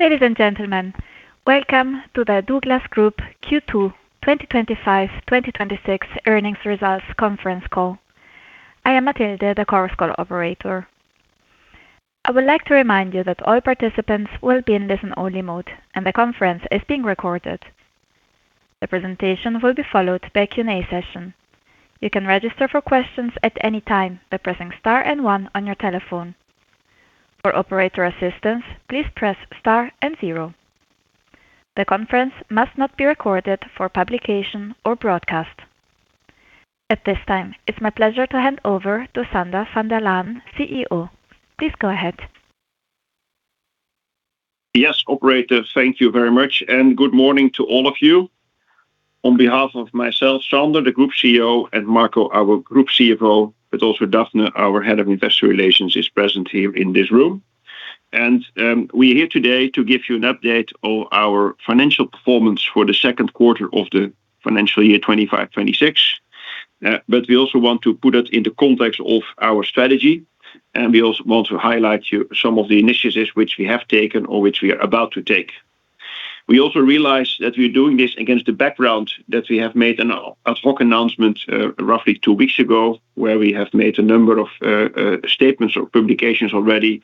Ladies and gentlemen, welcome to the DOUGLAS Group Q2 2025/2026 earnings results conference call. I am Matilde, the conference call operator. I would like to remind you that all participants will be in listen-only mode, and the conference is being recorded. The presentation will be followed by a Q&A session. You can register for questions at any time by pressing star and one on your telephone. For operator assistance, please press star and zero. The conference must not be recorded for publication or broadcast. At this time, it's my pleasure to hand over to Sander van der Laan, CEO. Please go ahead. Yes, operator. Thank you very much. Good morning to all of you. On behalf of myself, Sander, the Group CEO, and Marco, our Group CFO, but also Daphne, our Head of Investor Relations, is present here in this room. We're here today to give you an update on our financial performance for the second quarter of the financial year 2025/2026. We also want to put it in the context of our strategy, and we also want to highlight to you some of the initiatives which we have taken or which we are about to take. We also realize that we're doing this against the background that we have made an ad hoc announcement roughly two weeks ago, where we have made a number of statements or publications already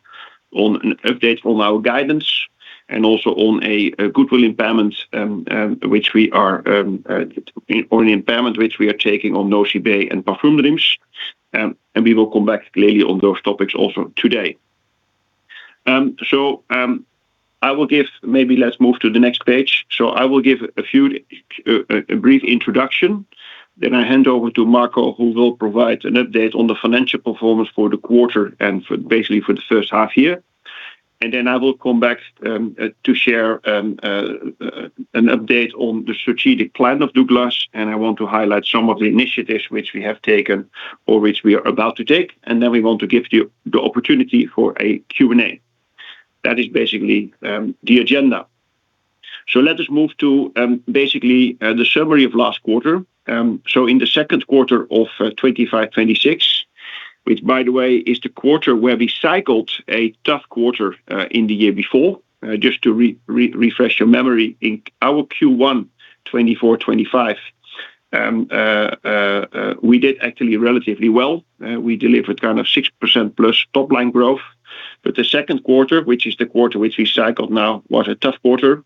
on an update on our guidance and also on a goodwill impairment, which we are on the impairment which we are taking on NOCIBÉ and Parfumdreams. We will come back clearly on those topics also today. Maybe let's move to the next page. I will give a few, a brief introduction. Then I hand over to Marco, who will provide an update on the financial performance for the quarter and for basically for the first half of the year. Then I will come back to share an update on the strategic plan of DOUGLAS. I want to highlight some of the initiatives which we have taken or which we are about to take. Then we want to give you the opportunity for a Q&A. That is basically the agenda. Let us move to basically the summary of the last quarter. In the second quarter of 2025/2026, which by the way, is the quarter where we cycled a tough quarter in the year before. Just to refresh your memory, in our Q1 2024/2025, we did actually relatively well. We delivered kind of 6% plus top-line growth. The second quarter, which is the quarter which we cycled now, was a tough quarter,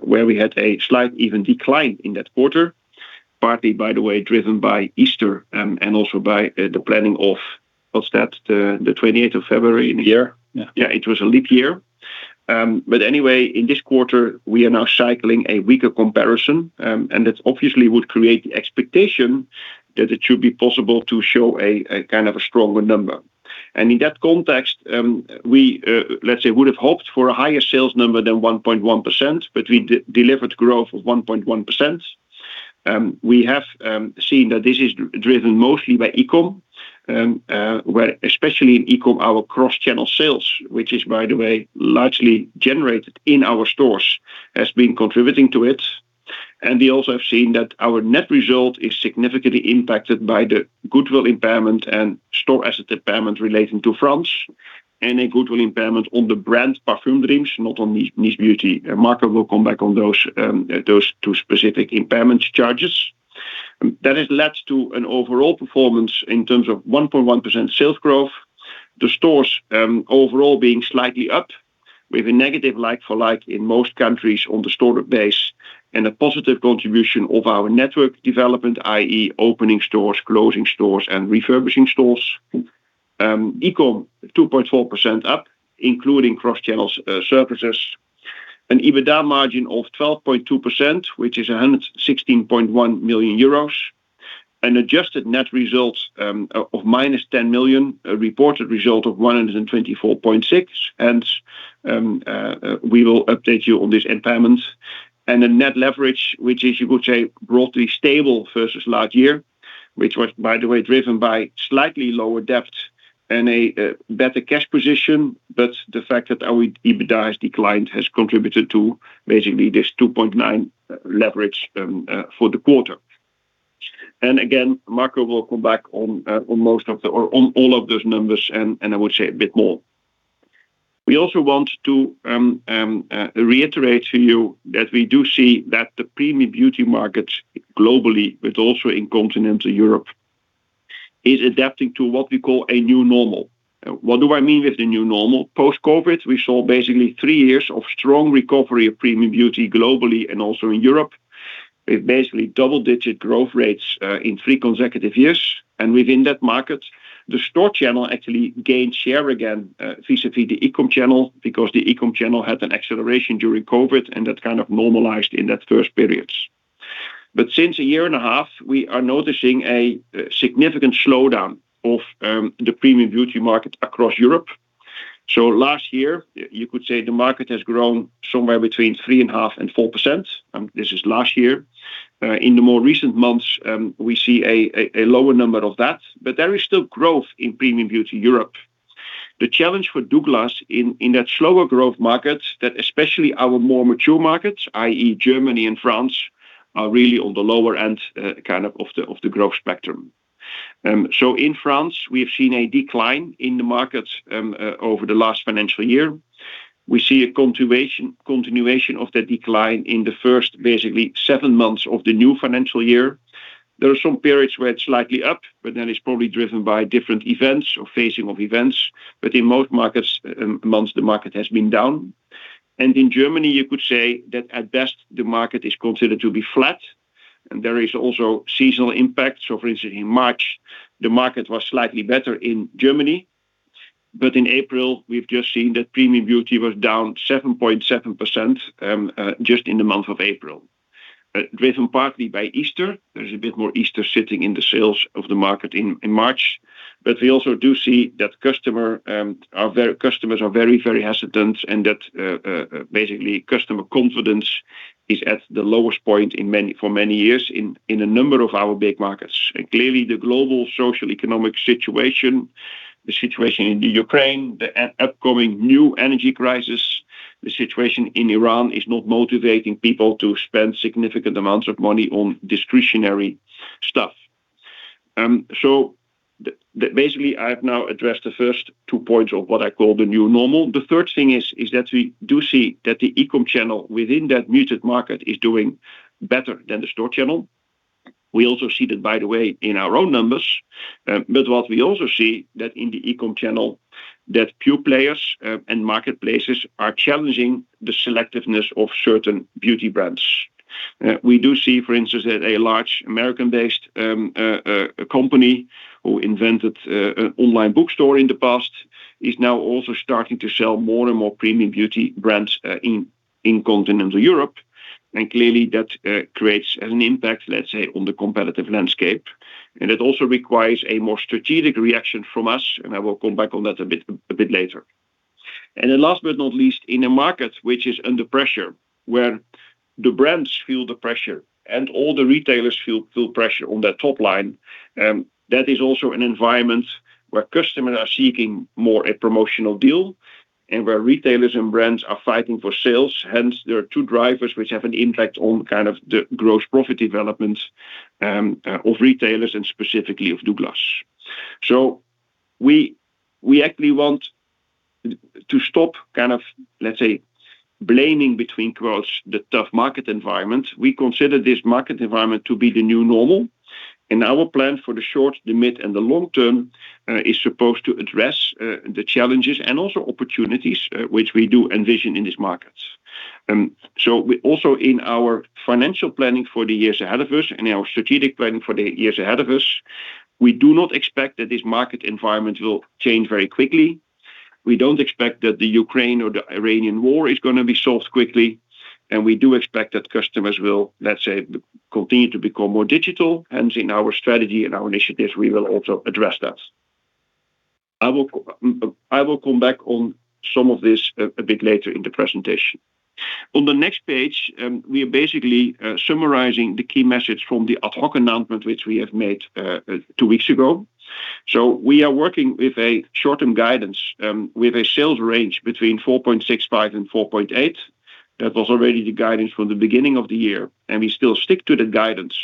where we had a slight even decline in that quarter, partly, by the way, driven by Easter, and also by the planning of the 28th of February in a year. Yeah. Yeah, it was a leap year. Anyway, in this quarter, we are now cycling a weaker comparison, and that obviously would create the expectation that it should be possible to show a kind of a stronger number. In that context, we, let's say, would have hoped for a higher sales number than 1.1%, but we delivered growth of 1.1%. We have seen that this is driven mostly by E-Com, where, especially in E-Com, our cross-channel sales, which is, by the way, largely generated in our stores, has been contributing to it. We also have seen that our net result is significantly impacted by the goodwill impairment and store asset impairment relating to France, and a goodwill impairment on the brand Parfumdreams, not on Niche Beauty. Marco will come back on those two specific impairment charges. That has led to an overall performance in terms of 1.1% sales growth. The stores overall being slightly up with a negative like-for-like in most countries on the store base and a positive contribution of our network development, i.e., opening stores, closing stores, and refurbishing stores. E-Com 2.4% up, including cross-channel services. An EBITDA margin of 12.2%, which is 116.1 million euros. An adjusted net result of -10 million, a reported result of 124.6 million. We will update you on this impairment. The net leverage, which is, you could say, broadly stable versus last year, which was by the way, driven by slightly lower debt and a better cash position. The fact that our EBITDA has declined has contributed to basically this 2.9x leverage for the quarter. Again, Marco will come back on all of those numbers, and I would say a bit more. We also want to reiterate to you that we do see that the premium beauty market globally, but also in continental Europe, is adapting to what we call a new normal. What do I mean with the new normal? Post-COVID, we saw basically three years of strong recovery of premium beauty globally and also in Europe, with basically double-digit growth rates in three consecutive years. Within that market, the store channel actually gained share again, vis-à-vis the E-Com channel, because the E-Com channel had an acceleration during COVID, and that kind of normalized in that first periods. Since a year and a half, we are noticing a significant slowdown of the premium beauty market across Europe. Last year, you could say the market has grown somewhere between 3.5%-4%. This is last year. In the more recent months, we see a lower number of that, but there is still growth in premium beauty Europe. The challenge for DOUGLAS in that slower growth market that especially our more mature markets, i.e., Germany and France, are really on the lower end, kind of the growth spectrum. In France, we have seen a decline in the market over the last financial year. We see a continuation of that decline in the first basically seven months of the new financial year. There are some periods where it's slightly up, it's probably driven by different events or phasing of events. In most markets, months, the market has been down. In Germany, you could say that at best the market is considered to be flat, there is also seasonal impact. For instance, in March, the market was slightly better in Germany. In April, we've just seen that premium beauty was down 7.7% just in the month of April, driven partly by Easter. There's a bit more Easter sitting in the sales of the market in March. We also do see that customers are very hesitant and that basically customer confidence is at the lowest point for many years in a number of our big markets. Clearly the global socioeconomic situation, the situation in Ukraine, the upcoming new energy crisis, the situation in Iran is not motivating people to spend significant amounts of money on discretionary stuff. Basically I've now addressed the first two points of what I call the new normal. The third thing is that we do see that the E-Com channel within that muted market is doing better than the store channel. We also see that, by the way, in our own numbers. What we also see that in the E-Com channel that pure players and marketplaces are challenging the selectiveness of certain beauty brands. We do see, for instance, that a large American-based company who invented online bookstore in the past is now also starting to sell more and more premium beauty brands in continental Europe. Clearly that creates an impact, let's say, on the competitive landscape. It also requires a more strategic reaction from us, and I will come back on that a bit later. Last but not least, in a market which is under pressure, where the brands feel the pressure and all the retailers feel pressure on their top-line, that is also an environment where customers are seeking more a promotional deal and where retailers and brands are fighting for sales. There are two drivers which have an impact on kind of the gross profit development of retailers and specifically of DOUGLAS. We actually want to stop kind of, let's say, blaming, between quotes, the tough market environment. We consider this market environment to be the new normal, and our plan for the short, the mid, and the long term is supposed to address the challenges and also opportunities which we do envision in these markets. We also in our financial planning for the years ahead of us and our strategic planning for the years ahead of us, we do not expect that this market environment will change very quickly. We don't expect that the Ukraine or the Iranian war is gonna be solved quickly. We do expect that customers will, let's say, continue to become more digital, hence in our strategy and our initiatives, we will also address that. I will come back on some of this a bit later in the presentation. On the next page, we are basically summarizing the key message from the ad hoc announcement, which we have made two weeks ago. We are working with a short-term guidance with a sales range between 4.65 and 4.8. That was already the guidance from the beginning of the year, and we still stick to the guidance,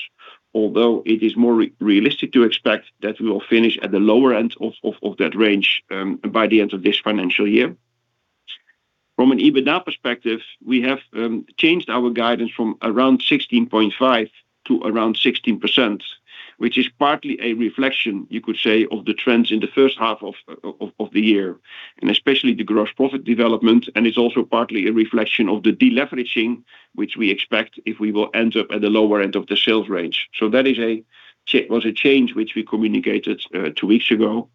although it is more re-realistic to expect that we will finish at the lower end of that range by the end of this financial year. From an EBITDA perspective, we have changed our guidance from around 16.5% to around 16%, which is partly a reflection, you could say, of the trends in the first half of the year, and especially the gross profit development, and it's also partly a reflection of the deleveraging which we expect if we will end up at the lower end of the sales range. That is a change which we communicated two weeks ago.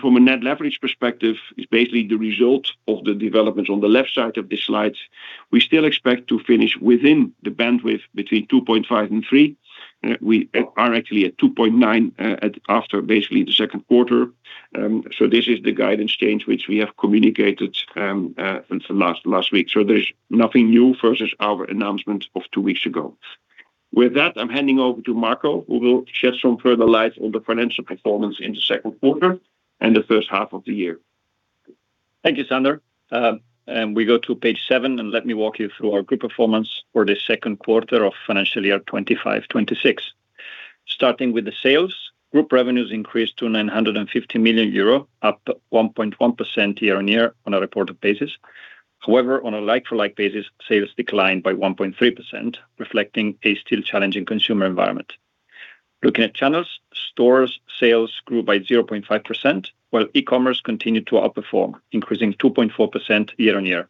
From a net leverage perspective, is basically the result of the development on the left side of the slides. We still expect to finish within the bandwidth between 2.5x and 3x. We are actually at 2.9x after basically the second quarter. This is the guidance change which we have communicated since last week. There's nothing new versus our announcement of two weeks ago. With that, I'm handing over to Marco, who will shed some further light on the financial performance in the second quarter and the first half of the year. Thank you, Sander. We go to page seven, let me walk you through our group performance for the second quarter of financial year 2025, 2026. Starting with the sales, group revenues increased to 950 million euro, up 1.1% year-on-year on a reported basis. However, on a like-for-like basis, sales declined by 1.3%, reflecting a still challenging consumer environment. Looking at channels, stores sales grew by 0.5%, while e-commerce continued to outperform, increasing 2.4% year-on-year.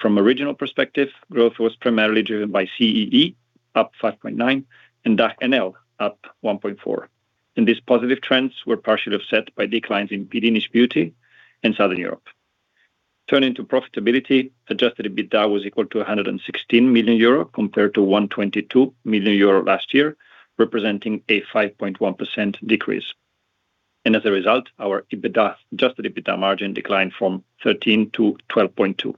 From a regional perspective, growth was primarily driven by CEE, up 5.9%, and DACH/NL, up 1.4%. These positive trends were partially offset by declines in Benelux Beauty and Southern Europe. Turning to profitability, adjusted EBITDA was equal to 116 million euro, compared to 122 million euro last year, representing a 5.1% decrease. As a result, our adjusted EBITDA margin declined from 13% to 12.2%.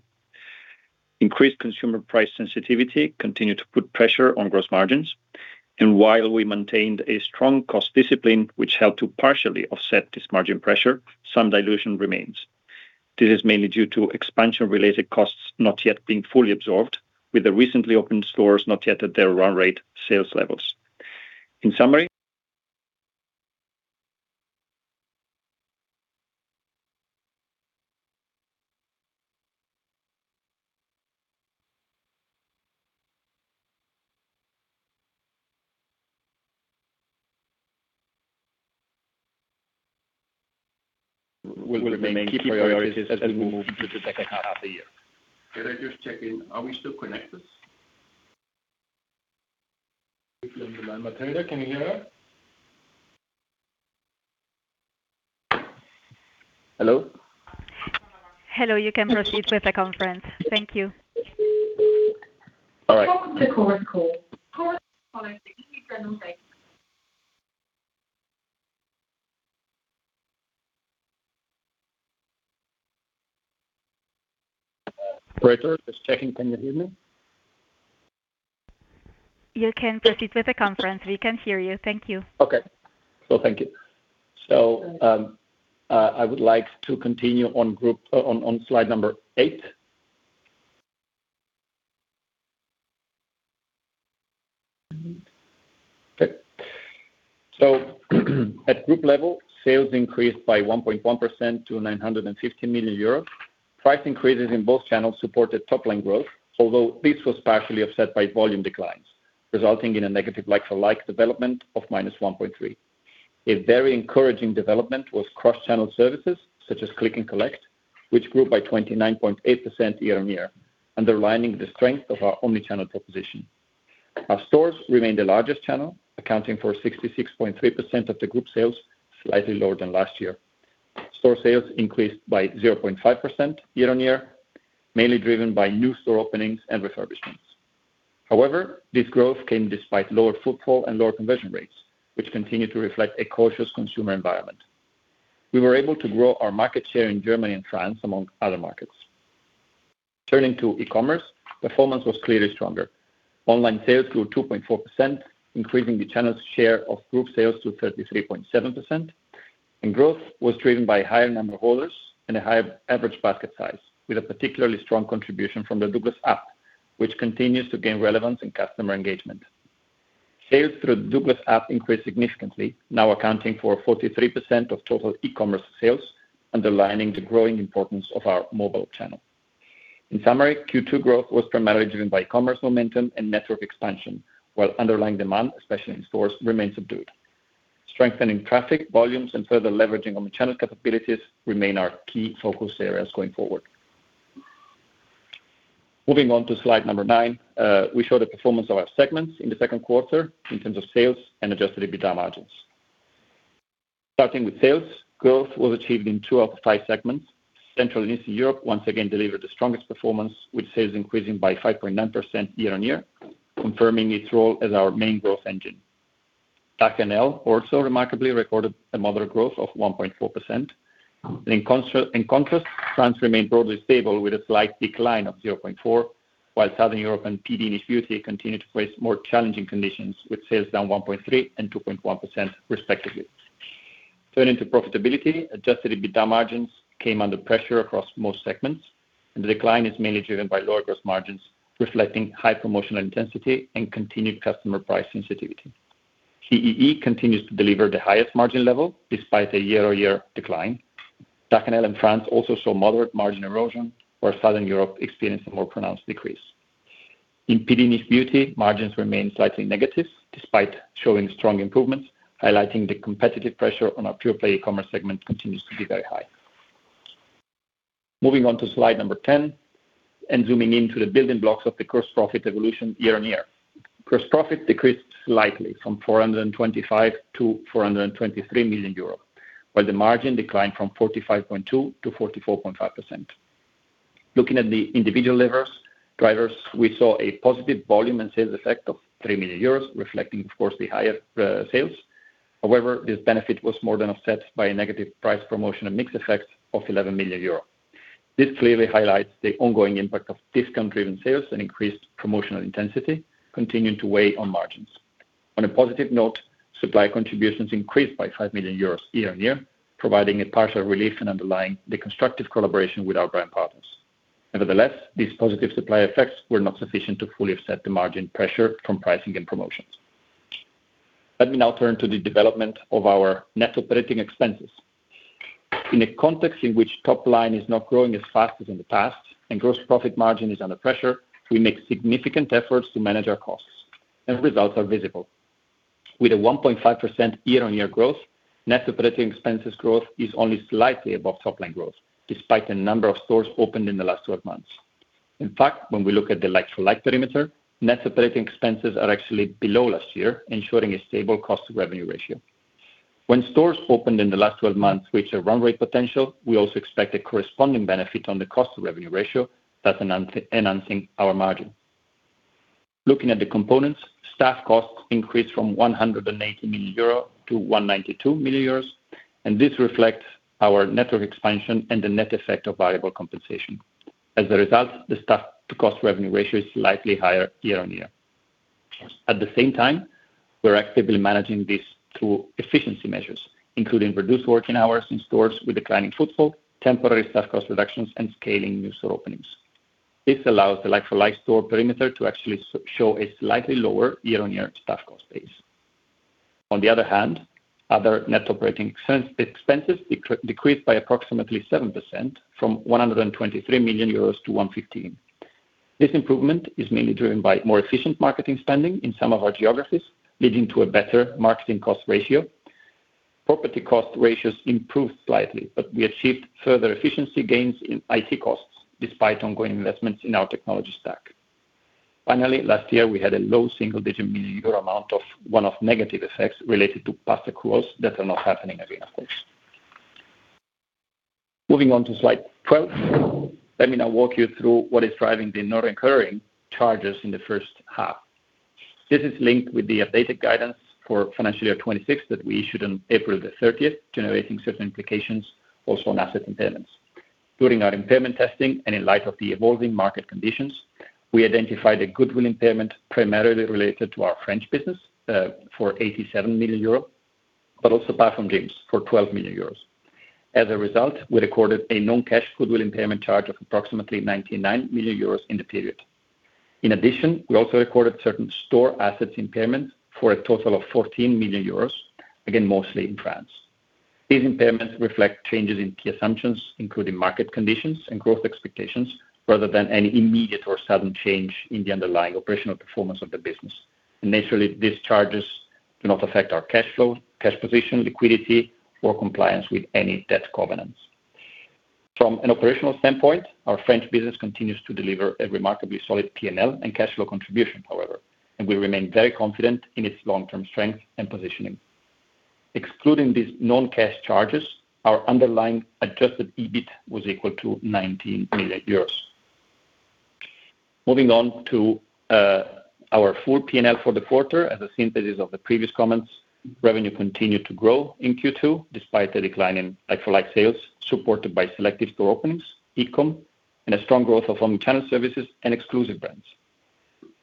Increased consumer price sensitivity continued to put pressure on gross margins. While we maintained a strong cost discipline, which helped to partially offset this margin pressure, some dilution remains. This is mainly due to expansion related costs not yet being fully absorbed with the recently opened stores not yet at their run rate sales levels. In summary, Will remain key priorities as we move into the second half of the year. Can I just check in? Are we still connected? Quickly, the line operator, can you hear us? Hello? Hello, you can proceed with the conference. Thank you. All right. Welcome to conference call. Conference calling is being turned on right now. Operator, just checking. Can you hear me? You can proceed with the conference. We can hear you. Thank you. Okay. Thank you. I would like to continue on slide number eight. At group level, sales increased by 1.1% to 950 million euros. Price increases in both channels supported top-line growth, although this was partially offset by volume declines, resulting in a negative like-for-like development of -1.3%. A very encouraging development was cross-channel services, such as Click and collect, which grew by 29.8% year-on-year, underlining the strength of our omnichannel proposition. Our stores remain the largest channel, accounting for 66.3% of the group sales, slightly lower than last year. Store sales increased by 0.5% year-on-year, mainly driven by new store openings and refurbishments. However, this growth came despite lower footfall and lower conversion rates, which continue to reflect a cautious consumer environment. We were able to grow our market share in Germany and France, among other markets. Turning to e-commerce, performance was clearly stronger. Online sales grew 2.4%, increasing the channel's share of group sales to 33.7%. Growth was driven by a higher number of orders and a higher average basket size, with a particularly strong contribution from the DOUGLAS app, which continues to gain relevance in customer engagement. Sales through the DOUGLAS app increased significantly, now accounting for 43% of total e-commerce sales, underlining the growing importance of our mobile channel. In summary, Q2 growth was primarily driven by commerce momentum and network expansion, while underlying demand, especially in stores, remains subdued. Strengthening traffic, volumes, and further leveraging omnichannel capabilities remain our key focus areas going forward. Moving on to slide number nine, we show the performance of our segments in the second quarter in terms of sales and adjusted EBITDA margins. Starting with sales, growth was achieved in two out of five segments. Central and Eastern Europe once again delivered the strongest performance with sales increasing by 5.9% year-on-year, confirming its role as our main growth engine. DACH/NL also remarkably recorded a moderate growth of 1.4%. In contrast, France remained broadly stable with a slight decline of 0.4%, while Southern Europe and Parfumdreams Niche Beauty continued to face more challenging conditions with sales down 1.3% and 2.1% respectively. Turning to profitability, adjusted EBITDA margins came under pressure across most segments. The decline is mainly driven by lower gross margins, reflecting high promotional intensity and continued customer price sensitivity. CEE continues to deliver the highest margin level despite a year-on-year decline. DACH/NL and France also saw moderate margin erosion, where Southern Europe experienced a more pronounced decrease. In PD Niche Beauty, margins remained slightly negative despite showing strong improvements, highlighting the competitive pressure on our pure-play e-commerce segment continues to be very high. Moving on to slide number 10 and zooming into the building blocks of the gross profit evolution year-on-year. Gross profit decreased slightly from 425 million to 423 million euros, while the margin declined from 45.2% to 44.5%. Looking at the individual levers, drivers, we saw a positive volume and sales effect of 3 million euros, reflecting of course the higher sales. However, this benefit was more than offset by a negative price promotion and mix effect of 11 million euro. This clearly highlights the ongoing impact of discount-driven sales and increased promotional intensity continuing to weigh on margins. On a positive note, supply contributions increased by 5 million euros year-on-year, providing a partial relief and underlying the constructive collaboration with our brand partners. Nevertheless, these positive supply effects were not sufficient to fully offset the margin pressure from pricing and promotions. Let me now turn to the development of our net operating expenses. In a context in which top-line is not growing as fast as in the past and gross profit margin is under pressure, we make significant efforts to manage our costs, and the results are visible. With a 1.5% year-on-year growth, net operating expenses growth is only slightly above top-line growth, despite the number of stores opened in the last 12 months. In fact, when we look at the like-for-like perimeter, net operating expenses are actually below last year, ensuring a stable cost-to-revenue ratio. When stores opened in the last 12 months reach their run-rate potential, we also expect a corresponding benefit on the cost-to-revenue ratio, thus enhancing our margin. Looking at the components, staff costs increased from 180 million euro to 192 million euros. This reflects our network expansion and the net effect of variable compensation. As a result, the staff-to-cost revenue ratio is slightly higher year-on-year. At the same time, we are actively managing this through efficiency measures, including reduced working hours in stores with declining footfall, temporary staff cost reductions, and scaling new store openings. This allows the like-for-like store perimeter to actually show a slightly lower year-on-year staff cost base. On the other hand, other net operating expenses decreased by approximately 7% from 123 million euros to 115 million. This improvement is mainly driven by more efficient marketing spending in some of our geographies, leading to a better marketing cost ratio. Property cost ratios improved slightly, we achieved further efficiency gains in IT costs despite ongoing investments in our technology stack. Last year, we had a low single-digit million EUR amount of one-off negative effects related to past accruals that are now happening again, of course. Moving on to slide 12, let me now walk you through what is driving the non-recurring charges in the first half. This is linked with the updated guidance for financial year 2026 that we issued on April 30th, generating certain implications also on asset impairments. During our impairment testing and in light of the evolving market conditions, we identified a goodwill impairment primarily related to our French business, for 87 million euros, but also Parfumdreams for 12 million euros. As a result, we recorded a non-cash goodwill impairment charge of approximately 99 million euros in the period. In addition, we also recorded certain store assets impairments for a total of 14 million euros, again, mostly in France. These impairments reflect changes in key assumptions, including market conditions and growth expectations, rather than any immediate or sudden change in the underlying operational performance of the business. Naturally, these charges do not affect our cash flow, cash position, liquidity, or compliance with any debt covenants. From an operational standpoint, our French business continues to deliver a remarkably solid P&L and cash flow contribution, and we remain very confident in its long-term strength and positioning. Excluding these non-cash charges, our underlying adjusted EBIT was equal to 19 million euros. Moving on to our full P&L for the quarter as a synthesis of the previous comments, revenue continued to grow in Q2 despite a decline in like-for-like sales, supported by selective store openings, E-Com, and a strong growth of omnichannel services and exclusive brands.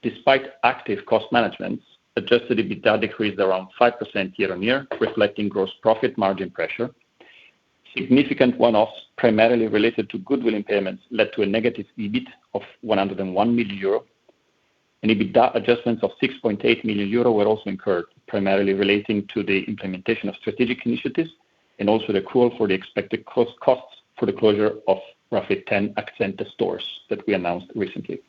Despite active cost management, adjusted EBITDA decreased around 5% year-over-year, reflecting gross profit margin pressure. Significant one-offs, primarily related to goodwill impairments, led to a negative EBIT of 101 million euro. EBITDA adjustments of 6.8 million euro were also incurred, primarily relating to the implementation of strategic initiatives and also the accrual for the expected costs for the closure of roughly 10 Akzente stores that we announced recently.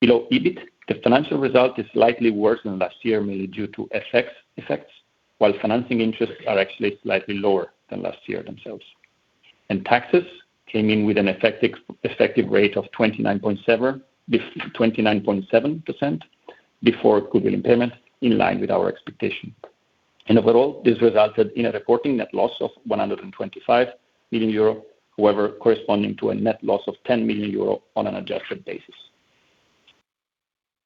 Below EBIT, the financial result is slightly worse than last year, mainly due to FX effects, while financing interests are actually slightly lower than last year themselves. Taxes came in with an effective rate of 29.7% before goodwill impairment, in line with our expectation. Overall, this resulted in a reporting net loss of 125 million euro, however, corresponding to a net loss of 10 million euro on an adjusted basis.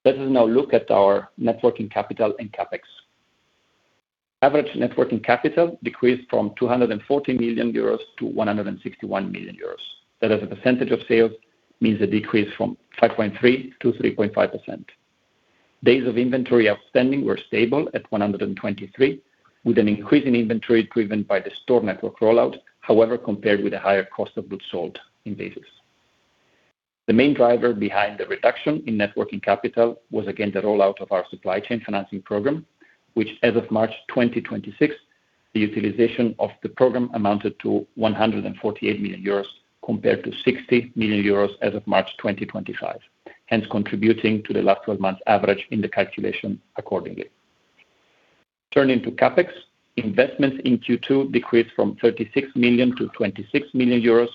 Let us now look at our net working capital and CapEx. Average net working capital decreased from 240 million euros to 161 million euros. That as a percentage of sales means a decrease from 5.3% to 3.5%. Days of inventory outstanding were stable at 123, with an increase in inventory driven by the store network rollout, however, compared with a higher cost of goods sold in basis. The main driver behind the reduction in net working capital was again the rollout of our supply chain financing program, which as of March 2026, the utilization of the program amounted to 148 million euros, compared to 60 million euros as of March 2025, hence contributing to the last 12 months' average in the calculation accordingly. Turning to CapEx, investments in Q2 decreased from 36 million to 26 million euros.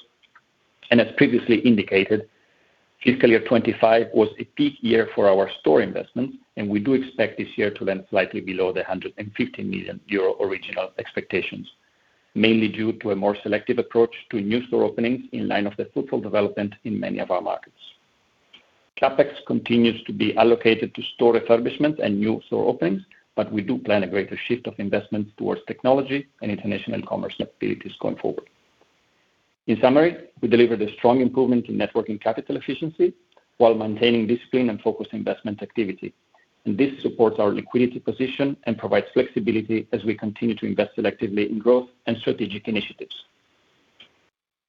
As previously indicated, fiscal year 2025 was a peak year for our store investments, we do expect this year to land slightly below the 150 million euro original expectations, mainly due to a more selective approach to new store openings in line with the footfall development in many of our markets. CapEx continues to be allocated to store refurbishments and new store openings, we do plan a greater shift of investment towards technology and international commerce capabilities going forward. In summary, we delivered a strong improvement in net working capital efficiency while maintaining disciplined and focused investment activity. This supports our liquidity position and provides flexibility as we continue to invest selectively in growth and strategic initiatives.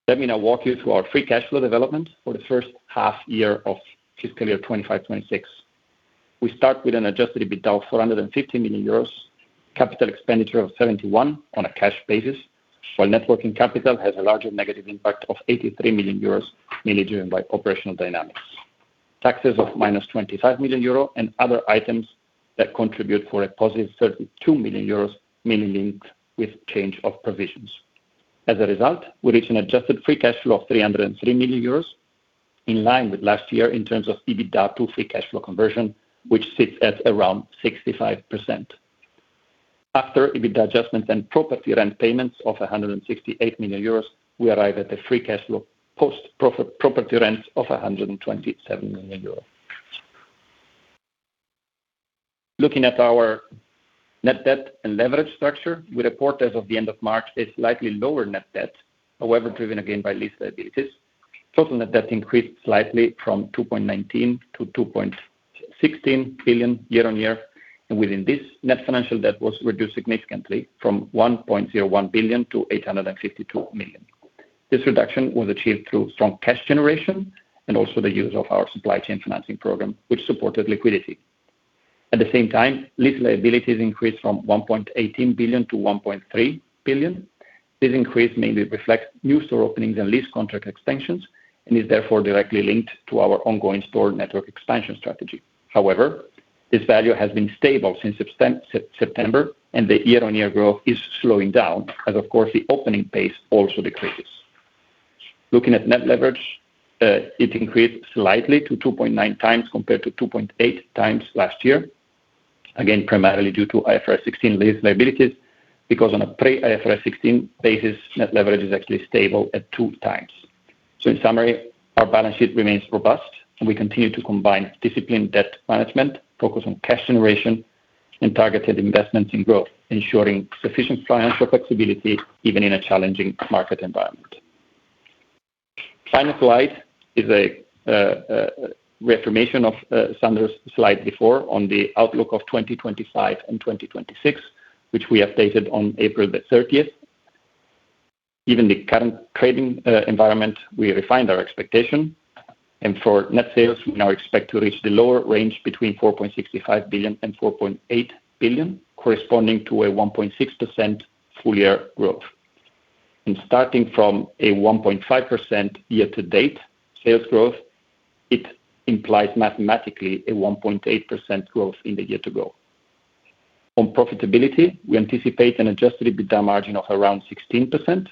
Let me now walk you through our free cash flow development for the first half year of fiscal year 2025, 2026. We start with an adjusted EBITDA of 450 million euros, capital expenditure of 71 on a cash basis, while net working capital has a larger negative impact of 83 million euros, mainly driven by operational dynamics, taxes of -25 million euro, and other items that contribute for a +32 million euros, mainly linked with change of provisions. As a result, we reach an adjusted free cash flow of 303 million euros, in line with last year in terms of EBITDA to free cash flow conversion, which sits at around 65%. After EBITDA adjustments and property rent payments of 168 million euros, we arrive at the free cash flow post-profit property rents of 127 million euros. Looking at our net debt and leverage structure with a quarter as of the end of March is slightly lower net debt. Driven again by lease liabilities. Total Net debt increased slightly from 2.19 to 2.16 billion year-on-year. Within this, net financial debt was reduced significantly from 1.01 billion to 852 million. Also, the use of our supply chain financing program, which supported liquidity. At the same time, lease liabilities increased from 1.18 billion to 1.3 billion. This increase mainly reflects new store openings and lease contract extensions, is therefore directly linked to our ongoing store network expansion strategy. However, this value has been stable since September, and the year-on-year growth is slowing down as, of course, the opening pace also decreases. Looking at net leverage, it increased slightly to 2.9x compared to 2.8x last year. Primarily due to IFRS 16 lease liabilities, because on a pre-IFRS 16 basis, net leverage is actually stable at 2x. In summary, our balance sheet remains robust, and we continue to combine disciplined debt management, focus on cash generation, and targeted investments in growth, ensuring sufficient financial flexibility even in a challenging market environment. Final slide is a reformation of Sander's slide before on the outlook of 2025 and 2026, which we updated on April the 30th. Even the current trading environment, we refined our expectation, and for net sales, we now expect to reach the lower range between 4.65 billion and 4.8 billion, corresponding to a 1.6% full-year growth. Starting from a 1.5% year-to-date sales growth, it implies mathematically a 1.8% growth in the year-to-go. On profitability, we anticipate an adjusted EBITDA margin of around 16%,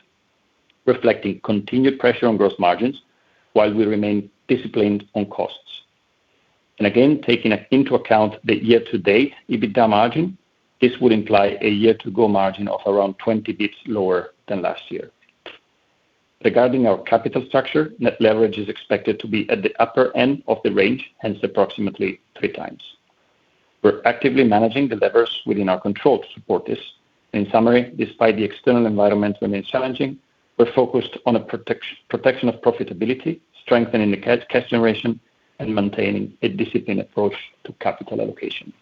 reflecting continued pressure on gross margins while we remain disciplined on costs. Again, taking into account the year-to-date EBITDA margin, this would imply a year-to-go margin of around 20 basis points lower than last year. Regarding our capital structure, net leverage is expected to be at the upper end of the range, hence approximately 3x. We're actively managing the levers within our control to support this. In summary, despite the external environment remains challenging, we're focused on a protection of profitability, strengthening the cash generation, and maintaining a disciplined approach to capital allocation.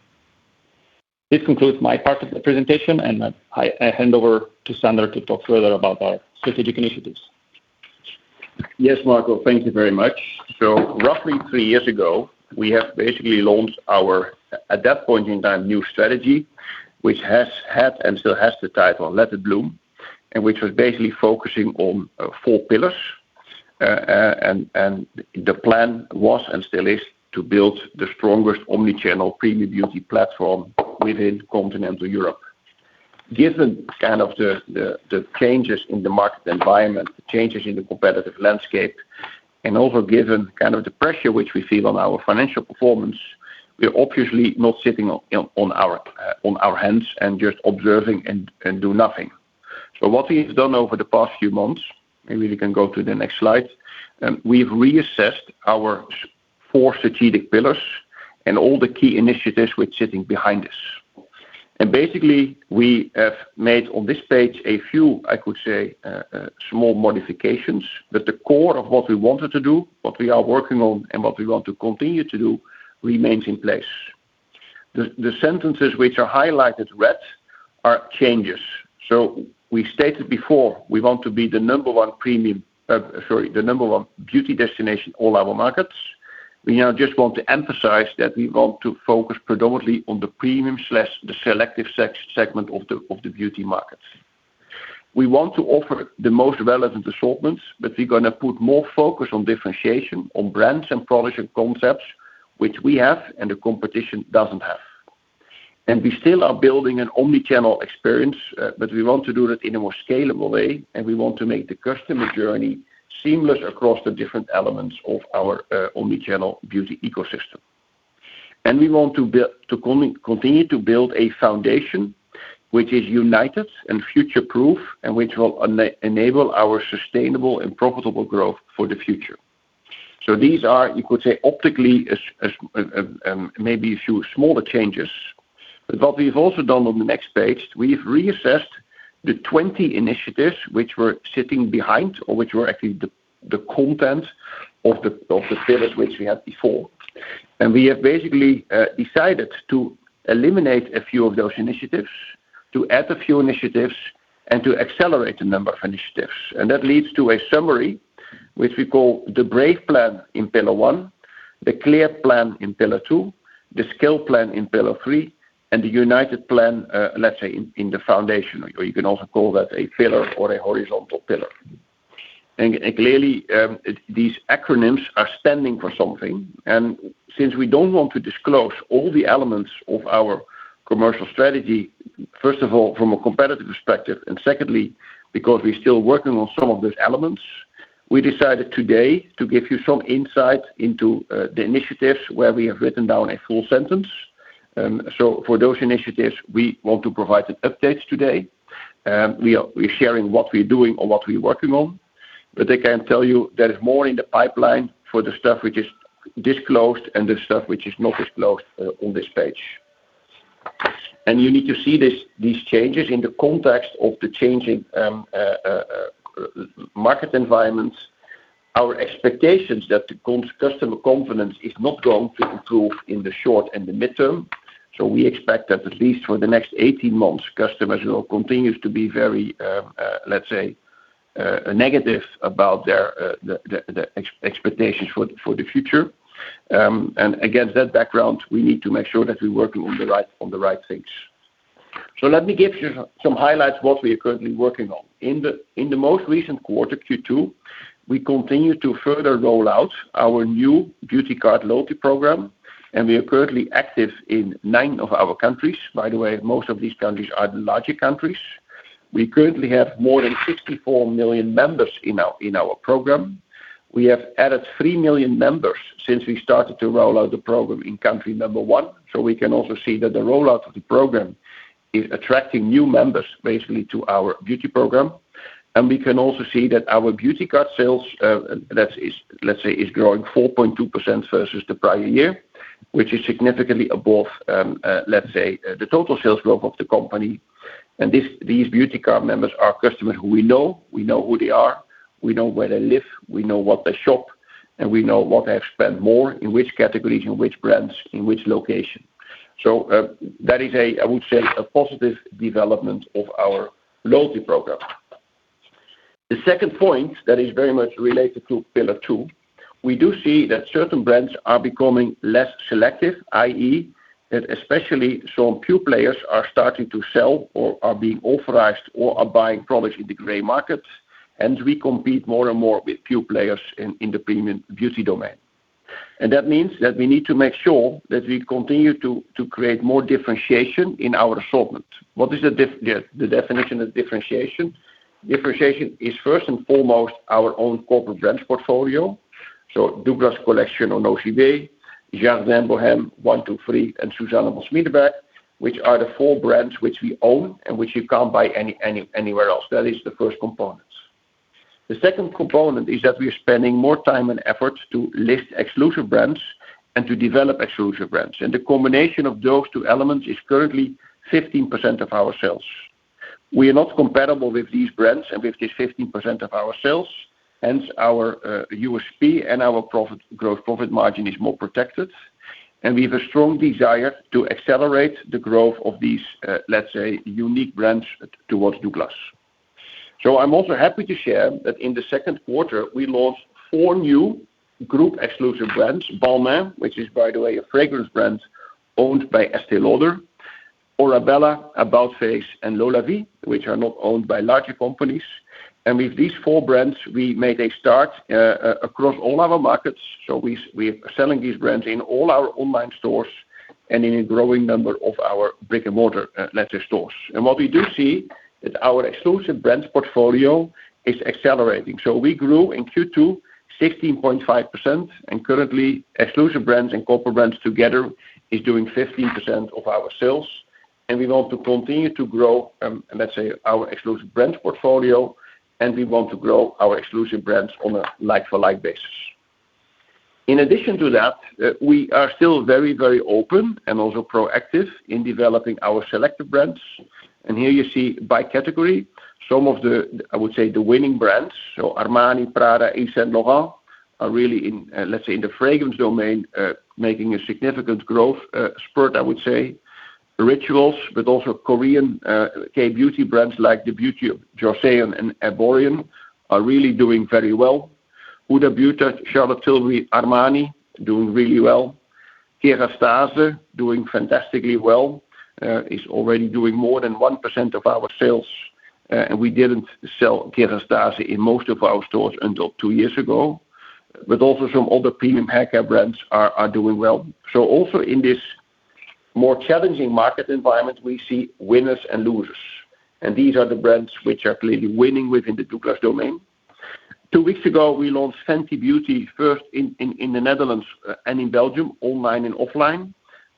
This concludes my part of the presentation, and I hand over to Sander to talk further about our strategic initiatives. Yes, Marco, thank you very much. Roughly three years ago, we have launched our, at that point in time, new strategy, which has had and still has the title Let It Bloom, and which was focusing on four pillars. The plan was and still is to build the strongest omnichannel premium beauty platform within continental Europe. Given the changes in the market environment, the changes in the competitive landscape, and also given the pressure which we feel on our financial performance, we're obviously not sitting on our hands and just observing and do nothing. What we've done over the past few months, maybe we can go to the next slide, we've reassessed our four strategic pillars and all the key initiatives which sitting behind this. Basically, we have made on this page a few, I could say, small modifications, but the core of what we wanted to do, what we are working on, and what we want to continue to do remains in place. The sentences which are highlighted red are changes. We stated before, we want to be the number one premium, sorry, the number one beauty destination in all our markets. We now just want to emphasize that we want to focus predominantly on the premium/the selective segment of the beauty markets. We want to offer the most relevant assortments, but we're gonna put more focus on differentiation on brands and product and concepts which we have and the competition doesn't have. We still are building an omnichannel experience, but we want to do that in a more scalable way, and we want to make the customer journey seamless across the different elements of our omnichannel beauty ecosystem. We want to continue to build a foundation which is united and future-proof and which will enable our sustainable and profitable growth for the future. These are, you could say, optically as, maybe a few smaller changes. What we've also done on the next page, we've reassessed the 20 initiatives which were sitting behind or which were actually the content of the pillars which we had before. We have basically decided to eliminate a few of those initiatives, to add a few initiatives, and to accelerate a number of initiatives. That leads to a summary which we call the Brave Plan in Pillar 1, the Clear Plan in Pillar 2, the Scale Plan in Pillar 3, and the United Plan, let's say in the foundation, or you can also call that a pillar or a horizontal pillar. Clearly, these acronyms are standing for something. Since we don't want to disclose all the elements of our commercial strategy, first of all, from a competitive perspective, and secondly, because we're still working on some of those elements, we decided today to give you some insight into the initiatives where we have written down a full sentence. For those initiatives, we want to provide an update today. We're sharing what we're doing or what we're working on. They can tell you there is more in the pipeline for the stuff which is disclosed and the stuff which is not disclosed on this page. You need to see these changes in the context of the changing market environments. Our expectations that the customer confidence is not going to improve in the short and the midterm. We expect that at least for the next 18 months, customers will continue to be very negative about their expectations for the future. Against that background, we need to make sure that we're working on the right things. Let me give you some highlights what we are currently working on. In the most recent quarter, Q2, we continue to further roll out our new DOUGLAS Beauty Card loyalty program. We are currently active in nine of our countries. By the way, most of these countries are the larger countries. We currently have more than 64 million members in our program. We have added 3 million members since we started to roll out the program in country number one. We can also see that the rollout of the program is attracting new members basically to our beauty program. We can also see that our DOUGLAS Beauty Card sales that is growing 4.2% versus the prior year, which is significantly above the total sales growth of the company. These DOUGLAS Beauty Card members are customers who we know, we know who they are, we know where they live, we know what they shop, and we know what they spend more, in which categories, in which brands, in which location. That is a, I would say, a positive development of our loyalty program. The second point that is very much related to Pillar 2, we do see that certain brands are becoming less selective, i.e., that, especially some pure players, are starting to sell or are being authorized or are buying products in the gray market, and we compete more and more with pure players in the premium beauty domain. That means that we need to make sure that we continue to create more differentiation in our assortment. What is the definition of differentiation? Differentiation is first and foremost our own corporate brands portfolio. DOUGLAS COLLECTION, Orebella, Jardin Bohème, one.two.free!, and Dr. Susanne von Schmiedeberg, which are the four brands which we own and which you can't buy anywhere else. That is the first component. The second component is that we are spending more time and effort to list exclusive brands and to develop exclusive brands. The combination of those two elements is currently 15% of our sales. We are not comparable with these brands and with this 15% of our sales, hence our USP and our profit growth, profit margin is more protected. We have a strong desire to accelerate the growth of these, let's say, unique brands towards DOUGLAS. I'm also happy to share that in the second quarter, we launched four new group-exclusive brands: Balmain, which is, by the way, a fragrance brand owned by Estée Lauder, Orebella, about-face, and LolaVie, which are not owned by larger companies. With these four brands, we made a start across all our markets. We are selling these brands in all our online stores and in a growing number of our brick-and-mortar retail stores. What we do see is our exclusive brands portfolio is accelerating. We grew in Q2 16.5%, and currently exclusive brands and corporate brands together is doing 15% of our sales. We want to continue to grow, let's say, our exclusive brands portfolio, and we want to grow our exclusive brands on a like-for-like basis. In addition to that, we are still very, very open and also proactive in developing our selective brands. Here you see by category some of the, I would say, the winning brands. Armani, Prada, Yves Saint Laurent are really in, let's say, in the fragrance domain, making a significant growth spurt, I would say. Rituals, also Korean K-beauty brands like the Beauty of Joseon and Erborian are really doing very well. Huda Beauty, Charlotte Tilbury, Armani doing really well. Kérastase doing fantastically well, is already doing more than 1% of our sales, we didn't sell Kérastase in most of our stores until two years ago. Also some other premium hair care brands are doing well. Also in this more challenging market environment, we see winners and losers, and these are the brands which are clearly winning within the DOUGLAS domain. Two weeks ago, we launched Fenty Beauty first in the Netherlands and in Belgium, online and offline.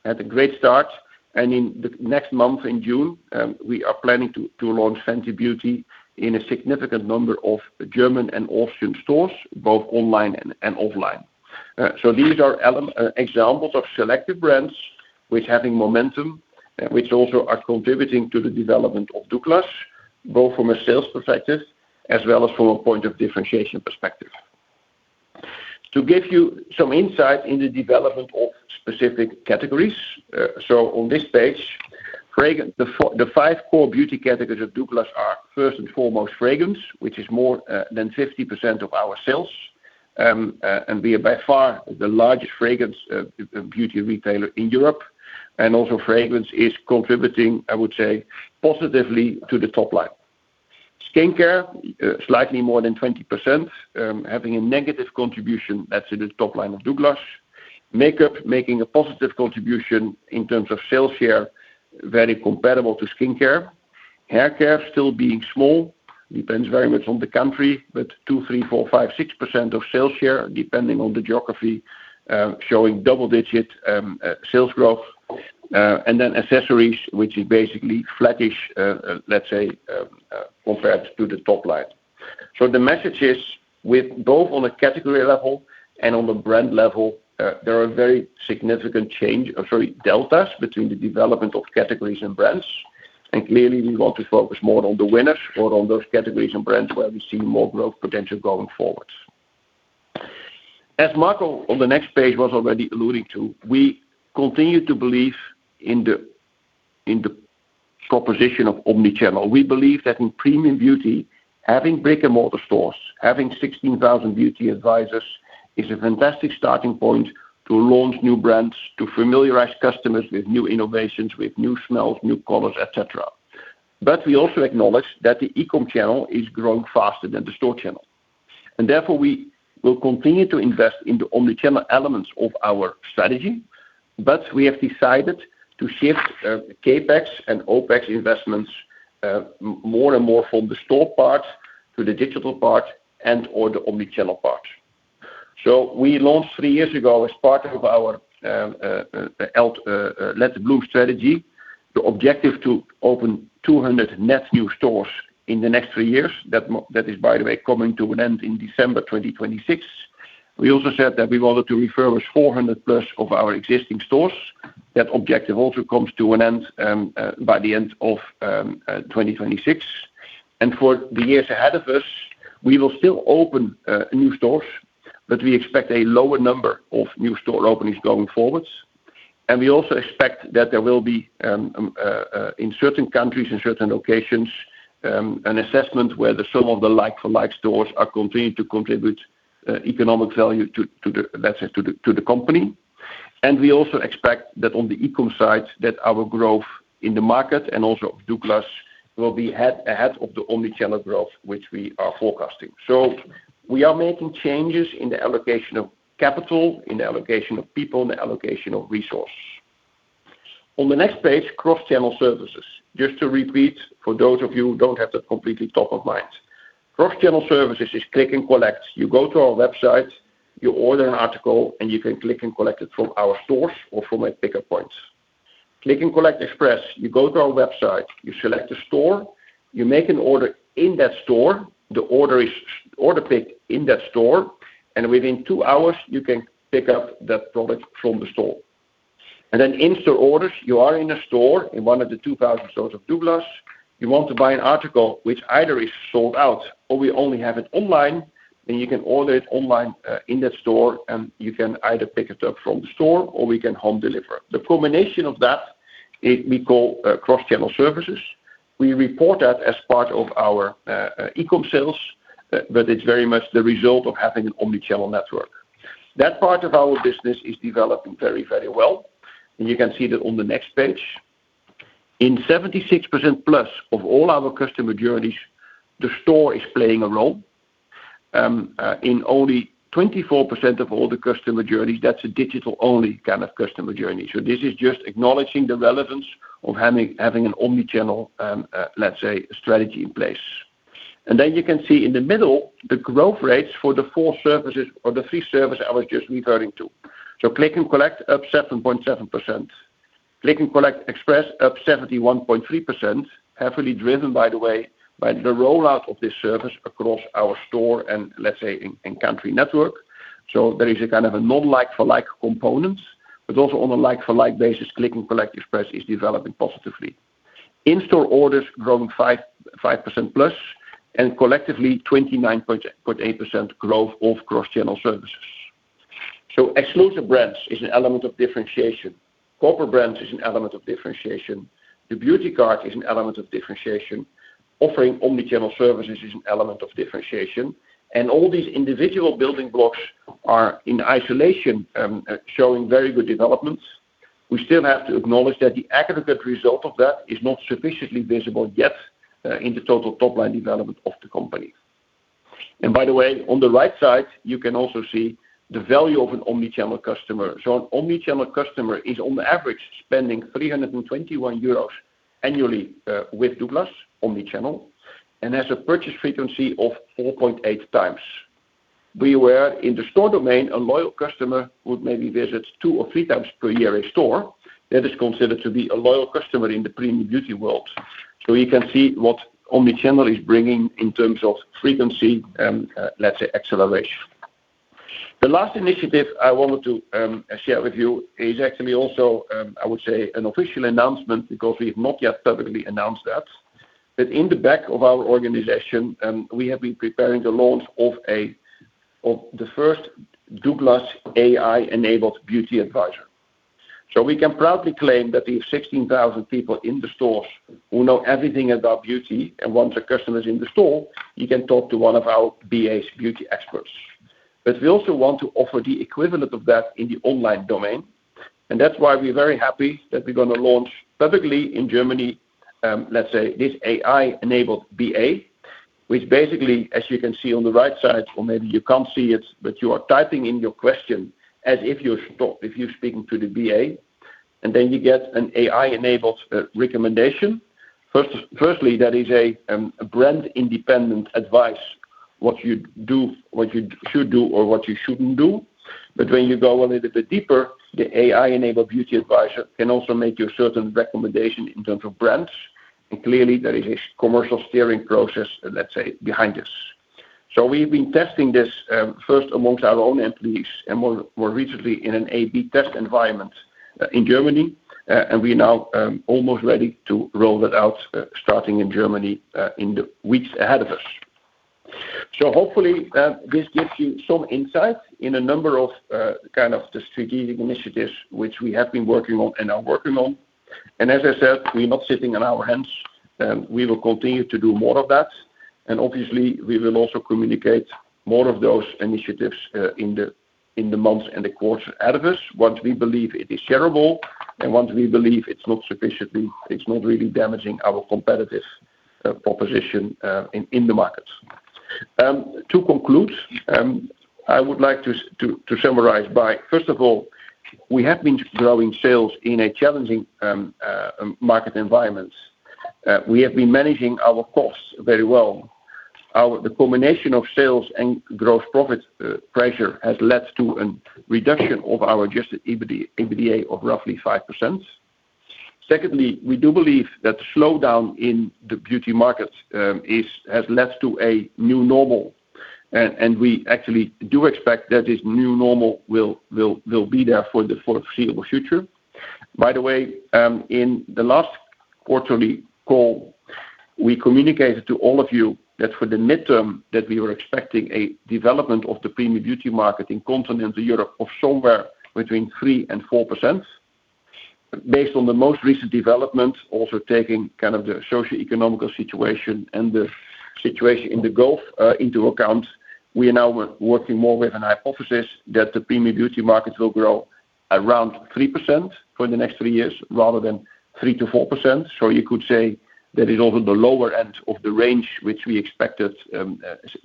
Had a great start. In the next month, in June, we are planning to launch Fenty Beauty in a significant number of German and Austrian stores, both online and offline. These are examples of selective brands which having momentum, which also are contributing to the development of DOUGLAS, both from a sales perspective as well as from a point of differentiation perspective. To give you some insight into development of specific categories. On this page, fragrance, the five core beauty categories of DOUGLAS are first and foremost fragrance, which is more than 50% of our sales. We are by far the largest fragrance beauty retailer in Europe, and also fragrance is contributing, I would say, positively to the top-line. Skincare, slightly more than 20%, having a negative contribution, that's in the top-line of DOUGLAS. Makeup making a positive contribution in terms of sales share, very comparable to skincare. Haircare still being small, depends very much on the country, but 2%, 3%, 4%, 5%, 6% of sales share, depending on the geography, showing double-digit sales growth. And then accessories, which is basically flattish, let's say, compared to the top-line. The message is with both on a category level and on the brand level, there are very significant change of very deltas between the development of categories and brands. Clearly, we want to focus more on the winners, more on those categories and brands where we see more growth potential going forward. As Marco on the next page was already alluding to, we continue to believe in the proposition of omnichannel. We believe that in premium beauty, having brick-and-mortar stores, having 16,000 beauty advisors is a fantastic starting point to launch new brands, to familiarize customers with new innovations, with new smells, new colors, et cetera. We also acknowledge that the E-Com channel is growing faster than the store channel. Therefore, we will continue to invest in the omnichannel elements of our strategy. We have decided to shift CapEx and OpEx investments more and more from the store part to the digital part or the omnichannel part. We launched three years ago as part of our Let It Bloom strategy, the objective to open 200 net new stores in the next three years. That is, by the way, coming to an end in December 2026. We also said that we wanted to refurbish 400+ of our existing stores. That objective also comes to an end by the end of 2026. For the years ahead of us, we will still open new stores, but we expect a lower number of new store openings going forwards. We also expect that there will be in certain countries, in certain locations, an assessment where some of the like-for-like stores are continuing to contribute economic value to the company. We also expect that on the E-Com side, that our growth in the market and also DOUGLAS will be ahead of the omnichannel growth, which we are forecasting. We are making changes in the allocation of capital, in the allocation of people, in the allocation of resource. On the next page, cross-channel services. Just to repeat, for those of you who don't have that completely top of mind. Cross-channel services is Click & Collect. You go to our website, you order an article, and you can click and collect it from our stores or from a pickup point. Click & Collect Express, you go to our website, you select a store, you make an order in that store, the order is order picked in that store, within 2 hours, you can pick up that product from the store. In-store orders, you are in a store in one of the 2,000 stores of DOUGLAS. You want to buy an article which either is sold out or we only have it online, you can order it online in that store, you can either pick it up from the store or we can home deliver. The combination of that, we call cross-channel services. We report that as part of our E-Com sales, it is very much the result of having an omnichannel network. That part of our business is developing very, very well. You can see that on the next page. In 76%+ of all our customer journeys, the store is playing a role. In only 24% of all the customer journeys, that's a digital-only kind of customer journey. This is just acknowledging the relevance of having an omnichannel, let's say, strategy in place. You can see in the middle, the growth rates for the four services or the three services I was just referring to. Click & Collect, up 7.7%. Click & Collect Express, up 71.3%, heavily driven, by the way, by the rollout of this service across our store and let's say in the country network. There is a kind of non-like-for-like component, but also on a like-for-like basis. Click & Collect Express is developing positively. In-store orders are growing 5%+, collectively, 29.8% growth of cross-channel services. Exclusive brands is an element of differentiation. Corporate brands is an element of differentiation. the DOUGLAS Beauty Card is an element of differentiation. Offering omnichannel services is an element of differentiation. All these individual building blocks are in isolation, showing very good developments. We still have to acknowledge that the aggregate result of that is not sufficiently visible yet in the total top-line development of the company. By the way, on the right side, you can also see the value of an omnichannel customer. An omnichannel customer is on average, spending 321 euros annually with DOUGLAS omnichannel, and has a purchase frequency of 4.8x. Beware, in the store domain, a loyal customer would maybe visit 2x or 3x per year in store. That is considered to be a loyal customer in the premium beauty world. You can see what omnichannel is bringing in terms of frequency and, let's say, acceleration. The last initiative I wanted to share with you is actually also, I would say, an official announcement because we've not yet publicly announced that. That in the back of our organization, we have been preparing the launch of the first DOUGLAS AI-enabled beauty advisor. We can proudly claim that we have 16,000 people in the stores who know everything about beauty. Once a customer is in the store, you can talk to one of our BAs, beauty experts. We also want to offer the equivalent of that in the online domain. That's why we're very happy that we're gonna launch publicly in Germany, let's say, this AI-enabled BA, which basically, as you can see on the right side, or maybe you can't see it, but you are typing in your question as if you're speaking to the BA, and then you get an AI-enabled recommendation. First, that is brand-independent advice, what you do, what you should do or what you shouldn't do. When you go a little bit deeper, the AI-enabled beauty advisor can also make you a certain recommendation in terms of brands, and clearly, there is a commercial steering process, let's say, behind this. We've been testing this, first amongst our own employees and more recently in an A/B test environment in Germany. We're now almost ready to roll it out, starting in Germany in the weeks ahead of us. Hopefully, this gives you some insight in a number of kind of the strategic initiatives which we have been working on and are working on. As I said, we're not sitting on our hands. We will continue to do more of that. Obviously, we will also communicate more of those initiatives in the months and quarters ahead of us. Once we believe it is shareable, and once we believe it's not really damaging our competitive proposition in the markets. To conclude, I would like to summarize by, first of all, we have been growing sales in a challenging market environment. We have been managing our costs very well. The combination of sales and growth profit pressure has led to a reduction of our adjusted EBITDA of roughly 5%. Secondly, we do believe that the slowdown in the beauty markets has led to a new normal. We actually do expect that this new normal will be there for the foreseeable future. By the way, in the last quarterly call, we communicated to all of you that for the midterm, that we were expecting a development of the premium beauty market in continental Europe of somewhere between 3% and 4%. Based on the most recent development, also taking kind of the socio-economical situation and the situation in the Gulf into account, we are now working more with a hypothesis that the premium beauty markets will grow around 3% for the next three years rather than 3%-4%. You could say that is over the lower end of the range, which we expected,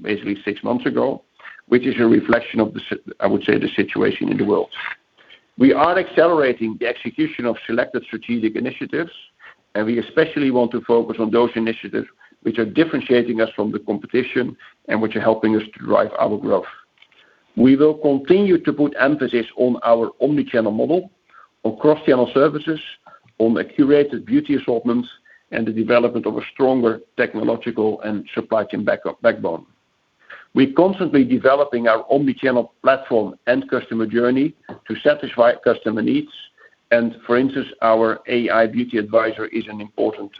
basically six months ago, which is a reflection of the situation in the world, I would say. We are accelerating the execution of selected strategic initiatives. We especially want to focus on those initiatives which are differentiating us from the competition and which are helping us to drive our growth. We will continue to put emphasis on our omnichannel model, on cross-channel services, on the curated beauty assortments, and the development of a stronger technological and supply chain backbone. We're constantly developing our omnichannel platform and customer journey to satisfy customer needs. For instance, our AI beauty advisor is an important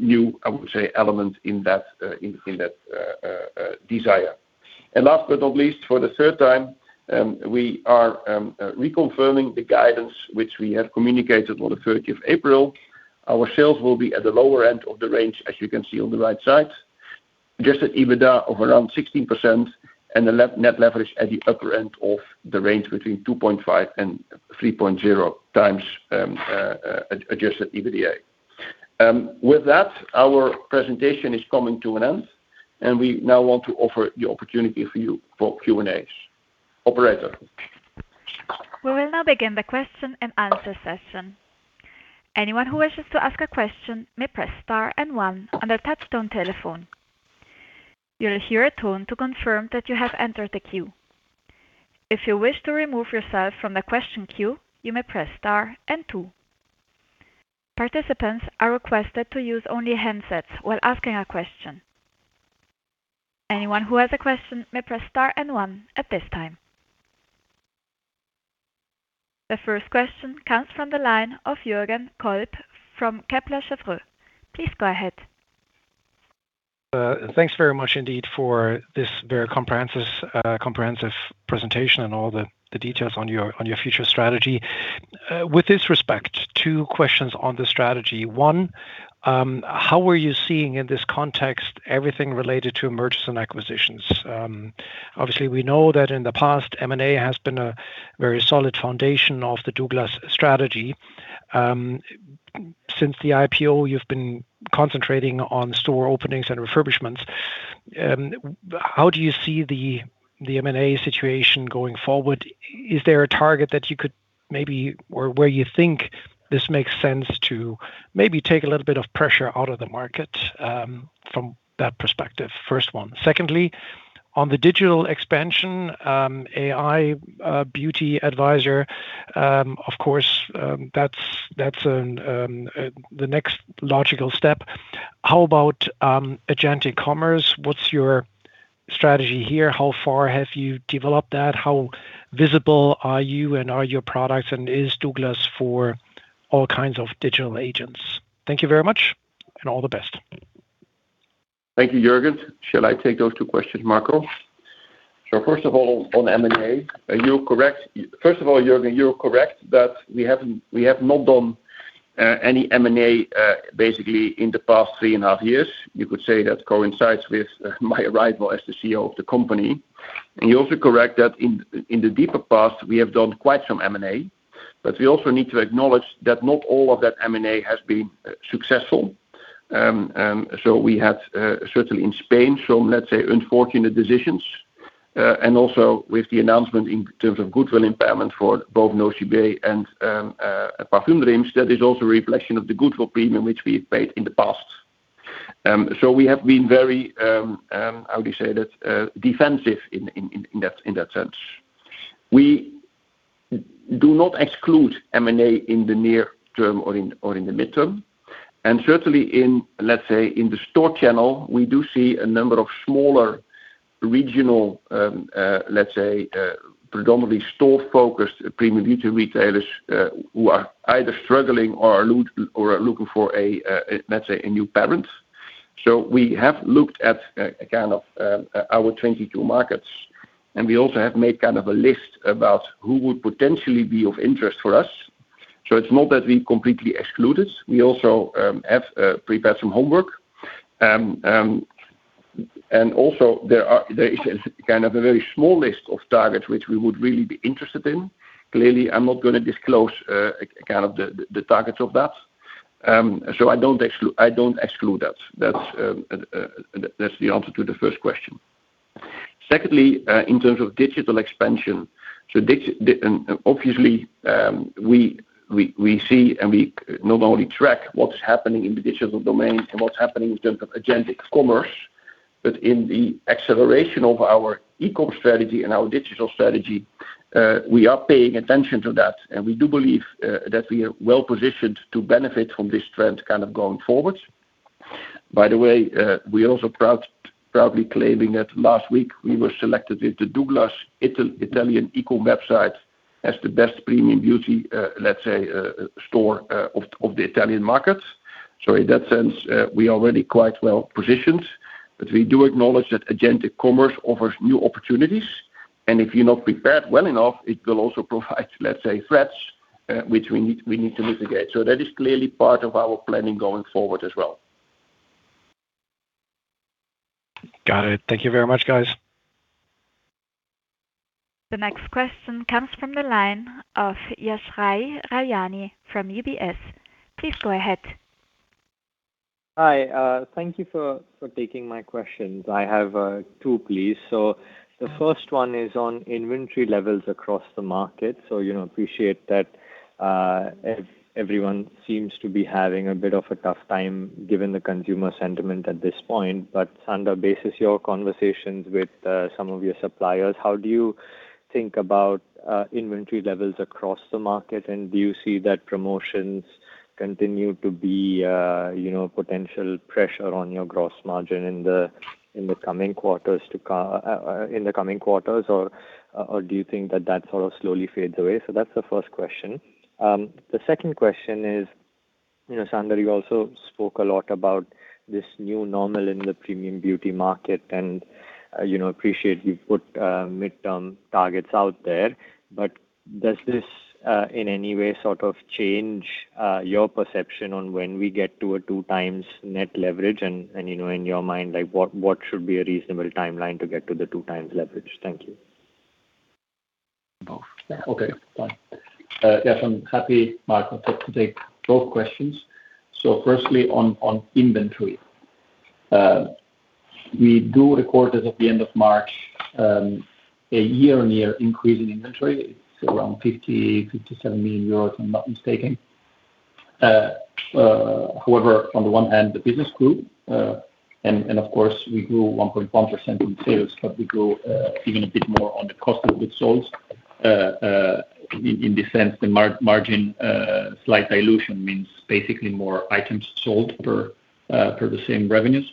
new, I would say, element in that desire. Last but not least, for the third time, we are reconfirming the guidance which we have communicated on the 30th of April. Our sales will be at the lower end of the range, as you can see on the right side. Adjusted EBITDA of around 16% and net leverage at the upper end of the range between 2.5x and 3.0x adjusted EBITDA. With that, our presentation is coming to an end, and we now want to offer the opportunity for you for Q&A.. Operator. We will now begin the question-and-answer session. Anyone who wishes to ask a question may press star and one on their touchtone telephone. You will hear a tone to confirm that you have entered the queue. If you wish to remove yourself from the question queue, you may press star and two. Participants are requested to use only handsets while asking a question. Anyone who has a question may press star and one at this time. The first question comes from the line of Jürgen Kolb from Kepler Cheuvreux. Please go ahead. Thanks very much indeed for this very comprehensive presentation and all the details on your future strategy. With this respect, two questions on the strategy. One, how are you seeing in this context everything related to mergers and acquisitions? Obviously, we know that in the past, M&A has been a very solid foundation of the DOUGLAS strategy. Since the IPO, you've been concentrating on store openings and refurbishments. How do you see the M&A situation going forward? Is there a target that you could maybe, or where you think this makes sense to maybe take a little bit of pressure out of the market from that perspective? First one. Secondly, on the digital expansion, AI beauty advisor, of course, that's the next logical step. How about agentic commerce? What's your strategy here? How far have you developed that? How visible are you and are your products, and is DOUGLAS for all kinds of digital agents? Thank you very much, and all the best. Thank you, Jürgen. Shall I take those two questions, Marco? First of all, on M&A, you're correct. First of all, Jürgen, you're correct that we have not done any M&A basically in the past three and a half years. You could say that coincides with my arrival as the CEO of the company. You're also correct that in the deeper past, we have done quite some M&A, but we also need to acknowledge that not all of that M&A has been successful. We certainly had some, let's say, unfortunate decisions, and also with the announcement in terms of goodwill impairment for both NOCIBÉ and Parfumdreams, that is also a reflection of the goodwill premium which we paid in the past. We have been very, how do you say that? Defensive in that sense. We do not exclude M&A in the near term or in the mid-term. Certainly in, let's say, in the store channel, we do see a number of smaller regional, let's say, predominantly store-focused premium beauty retailers, who are either struggling or are looking for a, let's say, a new parent. We have looked at kind of our 22 markets, and we also have made kind of a list about who would potentially be of interest for us. It's not that we are completely excluded. We have also, prepared some homework. Also, there is kind of a very small list of targets which we would really be interested in. Clearly, I'm not gonna disclose kind of the targets of that. I don't exclude that. That's the answer to the first question. Secondly, in terms of digital expansion, obviously, we see and we not only track what's happening in the digital domain and what's happening in terms of agentic commerce, but in the acceleration of our E-Com strategy and our digital strategy, we are paying attention to that, and we do believe that we are well-positioned to benefit from this trend kind of going forward. By the way, we also proudly claiming that last week we were selected with the DOUGLAS Italian E-Com website as the best premium beauty, let's say, store of the Italian market. In that sense, we are already quite well-positioned, but we do acknowledge that agentic commerce offers new opportunities. If you're not prepared well enough, it will also provide, let's say, threats, which we need to mitigate. That is clearly part of our planning going forward as well. Got it. Thank you very much, guys. The next question comes from the line of Yashraj Rajani from UBS. Please go ahead. Hi. Thank you for taking my questions. I have two, please. The first one is on inventory levels across the market. You know, I appreciate that everyone seems to be having a bi,t of a tough time given the consumer sentiment at this point. Sander, basis your conversations with some of your suppliers, how do you think about inventory levels across the market? Do you see that promotions continue to be, you know, potential pressure on your gross margin in the coming quarters, or do you think that that sort of slowly fades away? That's the first question. The second question is, you know, Sander, you also spoke a lot about this new normal in the premium beauty market, and you know, I appreciate you put midterm targets out there. Does this in any way sort of change your perception on when we get to a 2x net leverage, and you know, in your mind, like what should be a reasonable timeline to get to the 2x leverage? Thank you. Okay, fine. Yash, I'm happy, Marco, to take both questions. Firstly on inventory. We do record it at the end of March, a year-on-year increase in inventory. It's around 57 million euros, if I'm not mistaken. However, on the one hand, the business grew, and of course, we grew 1.1% in sales, but we grew even a bit more on the cost of goods sold. In this sense, the margin, slight dilution means basically more items sold per the same revenues.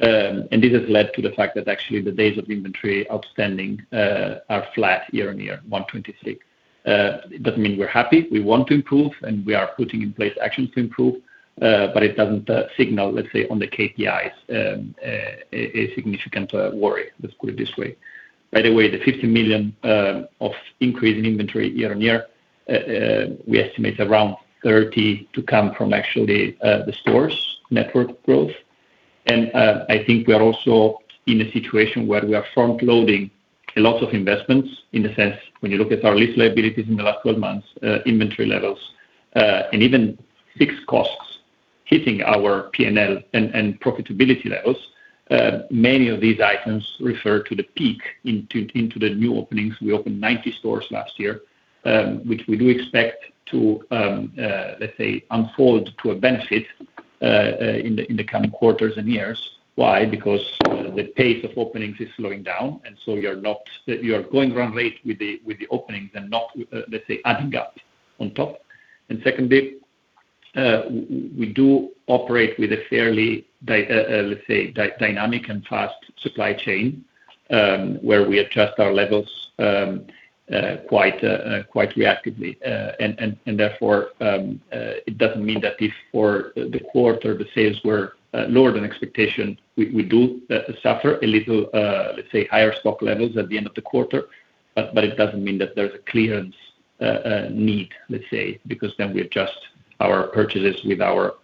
This has led to the fact that actually, the days of inventory outstanding are flat year-on-year, 126. It doesn't mean we're happy. We want to improve, and we are putting in place actions to improve, but it doesn't signal, let's say, on the KPIs, a significant worry. Let's put it this way. By the way, the 50 million of increase in inventory year-over-year, we estimate around 30 to come from the actual store network growth. I think we are also in a situation where we are front-loading a lot of investments in the sense that when you look at our lease liabilities in the last 12 months, inventory levels, and even fixed costs hitting our P&L and profitability levels. Many of these items refer to the peak into the new openings. We opened 90 stores last year, which we do expect to, let's say, unfold to a benefit in the coming quarters and years. Why? Because the pace of openings is slowing down, and so you are going run rate with the openings and not, let's say, adding up on top. Secondly, we do operate with a fairly dynamic and fast supply chain, where we adjust our levels quite reactively. Therefore, it doesn't mean that if for the quarter the sales were lower than expectations, we do suffer a little, let's say, higher stock levels at the end of the quarter. It doesn't mean that there's a clearance need, let's say, because then we adjust our purchases with our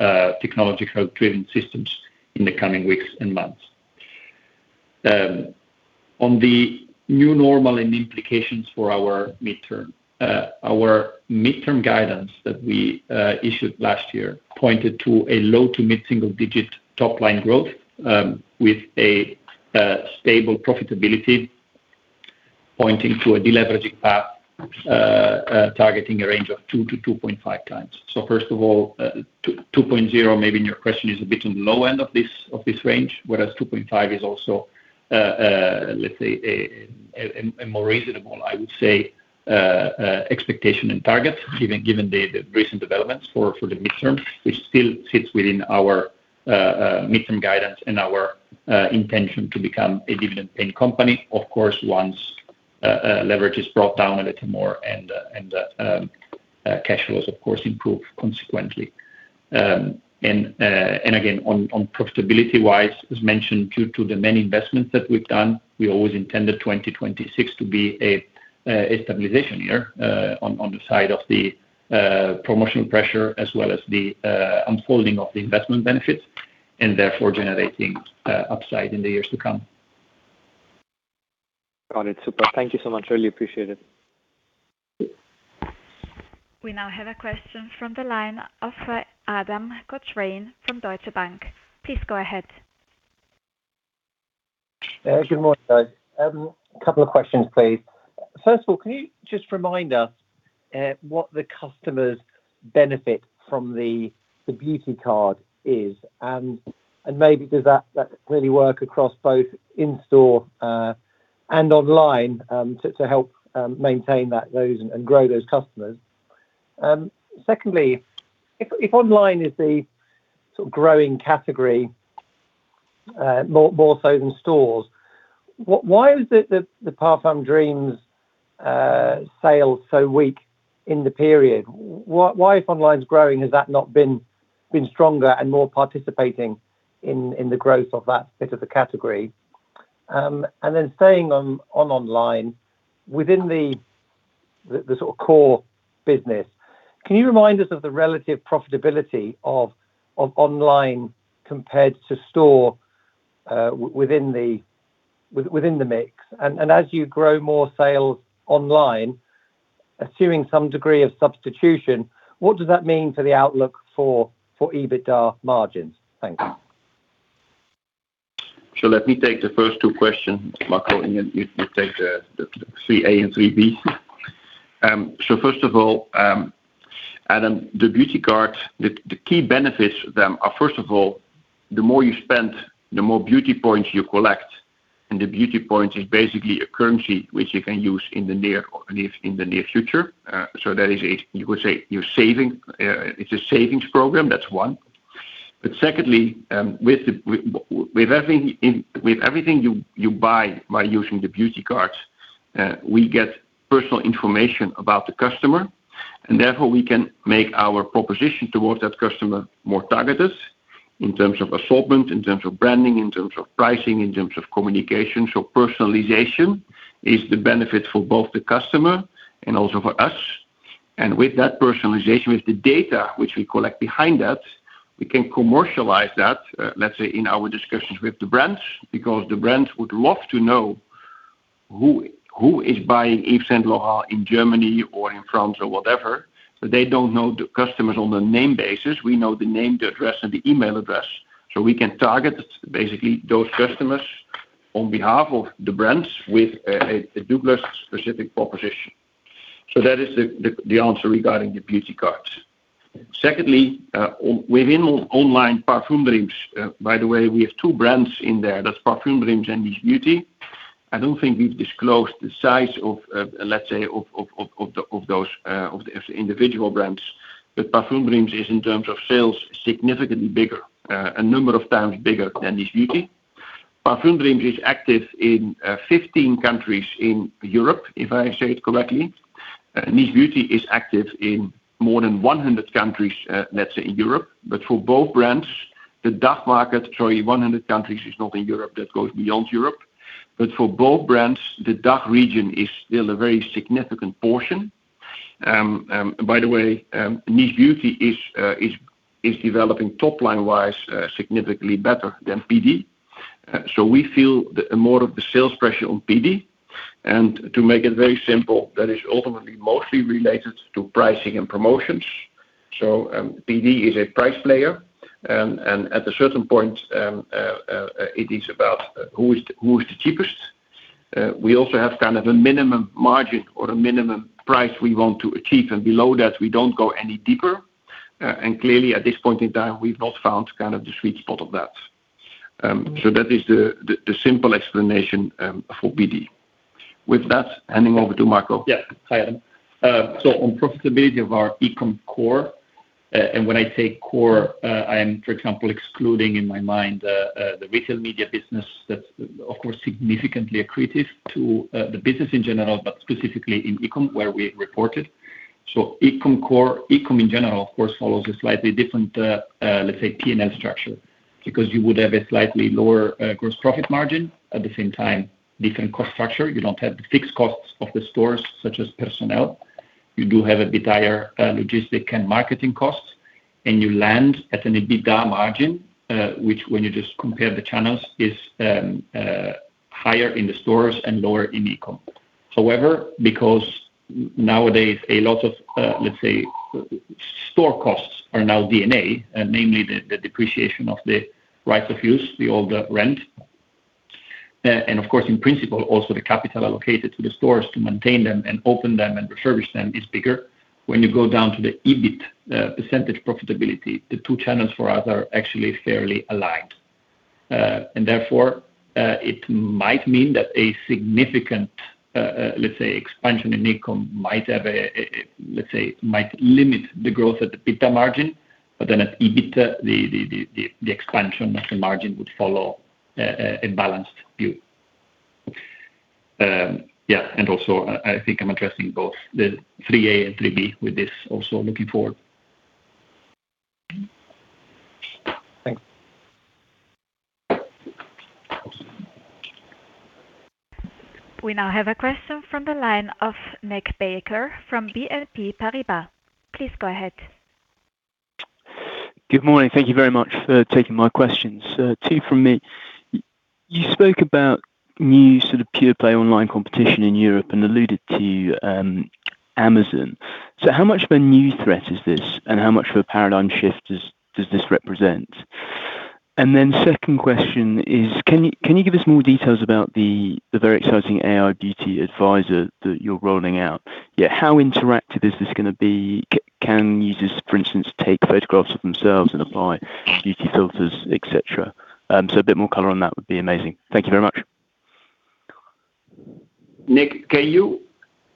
technological-driven systems in the coming weeks and months. On the new normal and implications for our midterm, our midterm guidance that we issued last year pointed to a low to mid-single digit top-line growth with stable profitability. Pointing to a deleveraging path, targeting a range of 2x-2.5x. First of all, 2.0x may be in your question is a bit on the low end of this range, whereas 2.5x is also, let's say, a more reasonable, I would say, expectation and target given the recent developments for the midterm, which still fits within our midterm guidance and our intention to become a dividend-paying company. Of course, once leverage is brought down a little more, and cash flows, of course, improve consequently. On profitability-wise, as mentioned, due to the many investments that we've done, we always intended 2026 to be a stabilization year, on the side of the promotional pressure as well as the unfolding of the investment benefits, and therefore generating upside in the years to come. Got it. Super. Thank you so much. Really appreciate it. We now have a question from the line of Adam Cochrane from Deutsche Bank. Please go ahead. Good morning, guys. Couple of questions, please. First of all, can you just remind us what the customer's benefit from the DOUGLAS Beauty Card is, and maybe does that clearly work across both in-store and online to help maintain those and grow those customers? Secondly, if online is the sort of growing category, more so than stores, why is the Parfumdreams sales so weak in the period? Why, if online's growing has that not been stronger and more participating in the growth of that bit of the category? Staying on online, within the sort of core business, can you remind us of the relative profitability of online compared to stores within the mix? As you grow more sales online, assuming some degree of substitution, what does that mean for the outlook for EBITDA margins? Thank you. Let me take the first two questions, Marco, and you take the 3A and 3B. First of all, Adam, the DOUGLAS Beauty Card, the key benefits then are, first of all, the more you spend, the more beauty points you collect, and the beauty points is basically a currency which you can use in the near future. That is, you could say you're saving. It's a savings program. That's one. Secondly, with everything you buy by using the DOUGLAS Beauty Card, we get personal information about the customer, and therefore we can make our proposition towards that customer more targeted in terms of assortment, in terms of branding, in terms of pricing, in terms of communication. Personalization is a benefit for both the customer and also for us. With that personalization, with the data which we collect behind that, we can commercialize that, let's say in our discussions with the brands, because the brands would love to know who is buying Yves Saint Laurent in Germany or in France or whatever. They don't know the customers on a name basis. We know the name, the address, and the email address. We can target basically those customers on behalf of the brands with a DOUGLAS-specific proposition. That is the answer regarding the DOUGLAS Beauty Cards. Secondly, within online Parfumdreams, by the way, we have two brands in there. That's Parfumdreams and Niche Beauty. I don't think we've disclosed the size of, let's say, of the, of those, of the individual brands. Parfumdreams is, in terms of sales, significantly bigger, a number of times bigger than Niche Beauty. Parfumdreams is active in 15 countries in Europe, if I say it correctly. Niche Beauty is active in more than 100 countries, let's say in Europe. For both brands, the DACH market, sorry, 100 countries, is not in Europe. That goes beyond Europe. For both brands, the DACH region is still a very significant portion. By the way, Niche Beauty is developing top-line-wise, significantly better than PD. We feel more of the sales pressure on PD. To make it very simple, that is ultimately mostly related to pricing and promotions. PD is a price player. At a certain point, it is about who is the cheapest. We also have a kind of minimum margin or a minimum price we want to achieve, and below that, we don't go any deeper. Clearly, at this point in time, we've not found that kind of sweet spot of that. That is the simple explanation for PD. With that, handing over to Marco. Hi, Adam. On the profitability of our E-Com core, and when I say core, I am, for example, excluding in my min the retail media business that's of course significantly accretive to the business in general, but specifically in E-Com where we report it. E-Com core, E-Com in general, of course, follows a slightly different, let's say, P&L structure because you would have a slightly lower gross profit margin. At the same time, different cost structure. You don't have the fixed costs of the stores, such as personnel. You do have a bit higher logistics and marketing costs, and you land at an EBITDA margin, which, when you just compare the channels, is higher in the stores and lower in E-Com. However, because nowadays a lot of, let's say, store costs are now D&A, namely the depreciation of the- Right of use, the older rent. Of course, in principle, also the capital allocated to the stores to maintain them, open them, and refurbish them is bigger. When you go down to the EBIT percentage profitability, the two channels for us are actually fairly aligned. Therefore, it might mean that a significant expansion in income might, have a let's say, might limit the growth at the EBITDA margin. At EBITDA, the expansion of the margin would follow a balanced view. Also I think I'm addressing both the 3A and 3B with this, also looking forward. Thanks. We now have a question from the line of Nick Baker from BNP Paribas. Please go ahead. Good morning. Thank you very much for taking my questions. Two from me. You spoke about a new sort of pure play online competition in Europe and alluded to Amazon. How much of a new threat is this, and how much of a paradigm shift does this represent? Second question is, can you give us more details about the very exciting AI beauty advisor that you're rolling out? Yeah, how interactive is this going to be? Can users, for instance, take photographs of themselves and apply beauty filters, et cetera? A bit more color on that would be amazing. Thank you very much. Nick, can you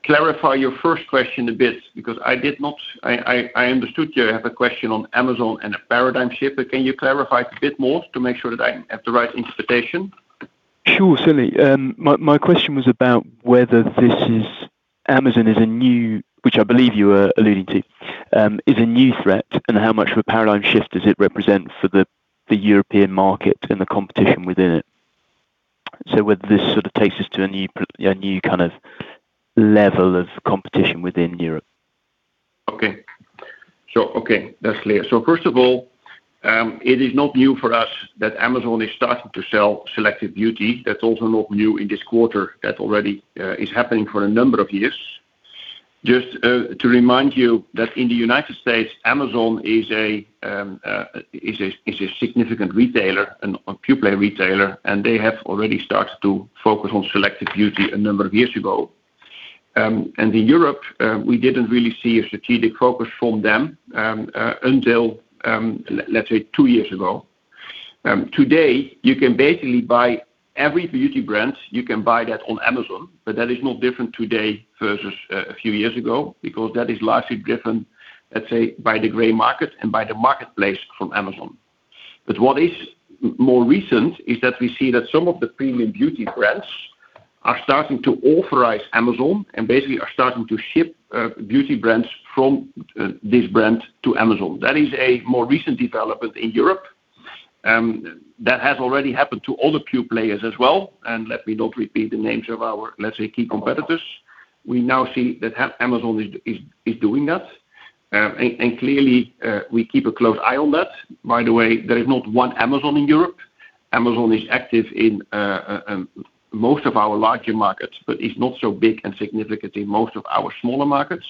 clarify your first question a bit? I understood you have a question on Amazon and a paradigm shift. Can you clarify a bit more to make sure that I have the right interpretation? Sure, certainly. My question was about whether Amazon is a new, which I believe you were alluding to, is a new threat and how much of a paradigm shift does it represent for the European market and the competition within it? Whether this sort of takes us to a new kind of level of competition within Europe. Okay, that's clear. First of all, it is not new for us that Amazon is starting to sell selective beauty. That's also not new in this quarter. That already is happening for a number of years. Just to remind you that in the U.S., Amazon is a significant retailer and a pure play retailer, and they have already started to focus on selective beauty a number of years ago. In Europe, we didn't really see a strategic focus from them until, let's say two years ago. Today, you can basically buy every beauty brand, you can buy that on Amazon, that is not different today versus a few years ago, because that is largely driven, let's say, by the gray market and by the marketplace from Amazon. What is more recent is that we see that some of the premium beauty brands are starting to authorize Amazon and basically are starting to ship beauty brands from this brand to Amazon. That is a more recent development in Europe that has already happened to other pure players as well, and let me not repeat the names of our, let's say, key competitors. We now see that Amazon is doing that. Clearly, we keep a close eye on that. By the way, there is not one Amazon in Europe. Amazon is active in most of our larger markets, but is not so big and significant in most of our smaller markets.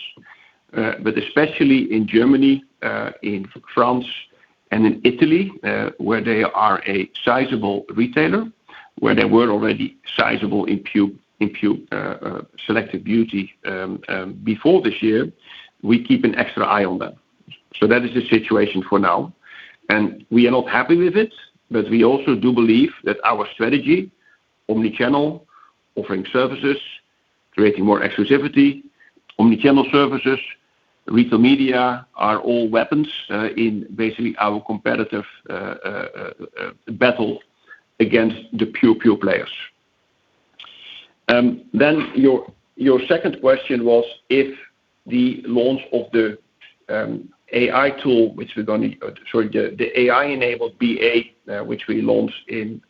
Especially in Germany, in France, and in Italy, where they are a sizable retailer, where they were already sizable in pure selective beauty before this year, we keep an extra eye on that. That is the situation for now. We are not happy with it, but we also do believe that our strategy, omnichannel, offering services, creating more exclusivity, omnichannel services retail media, are all weapons in basically our competitive battle against the pure play players. Your second question was if the launch of the AI tool, the AI-enabled BA, which we launched in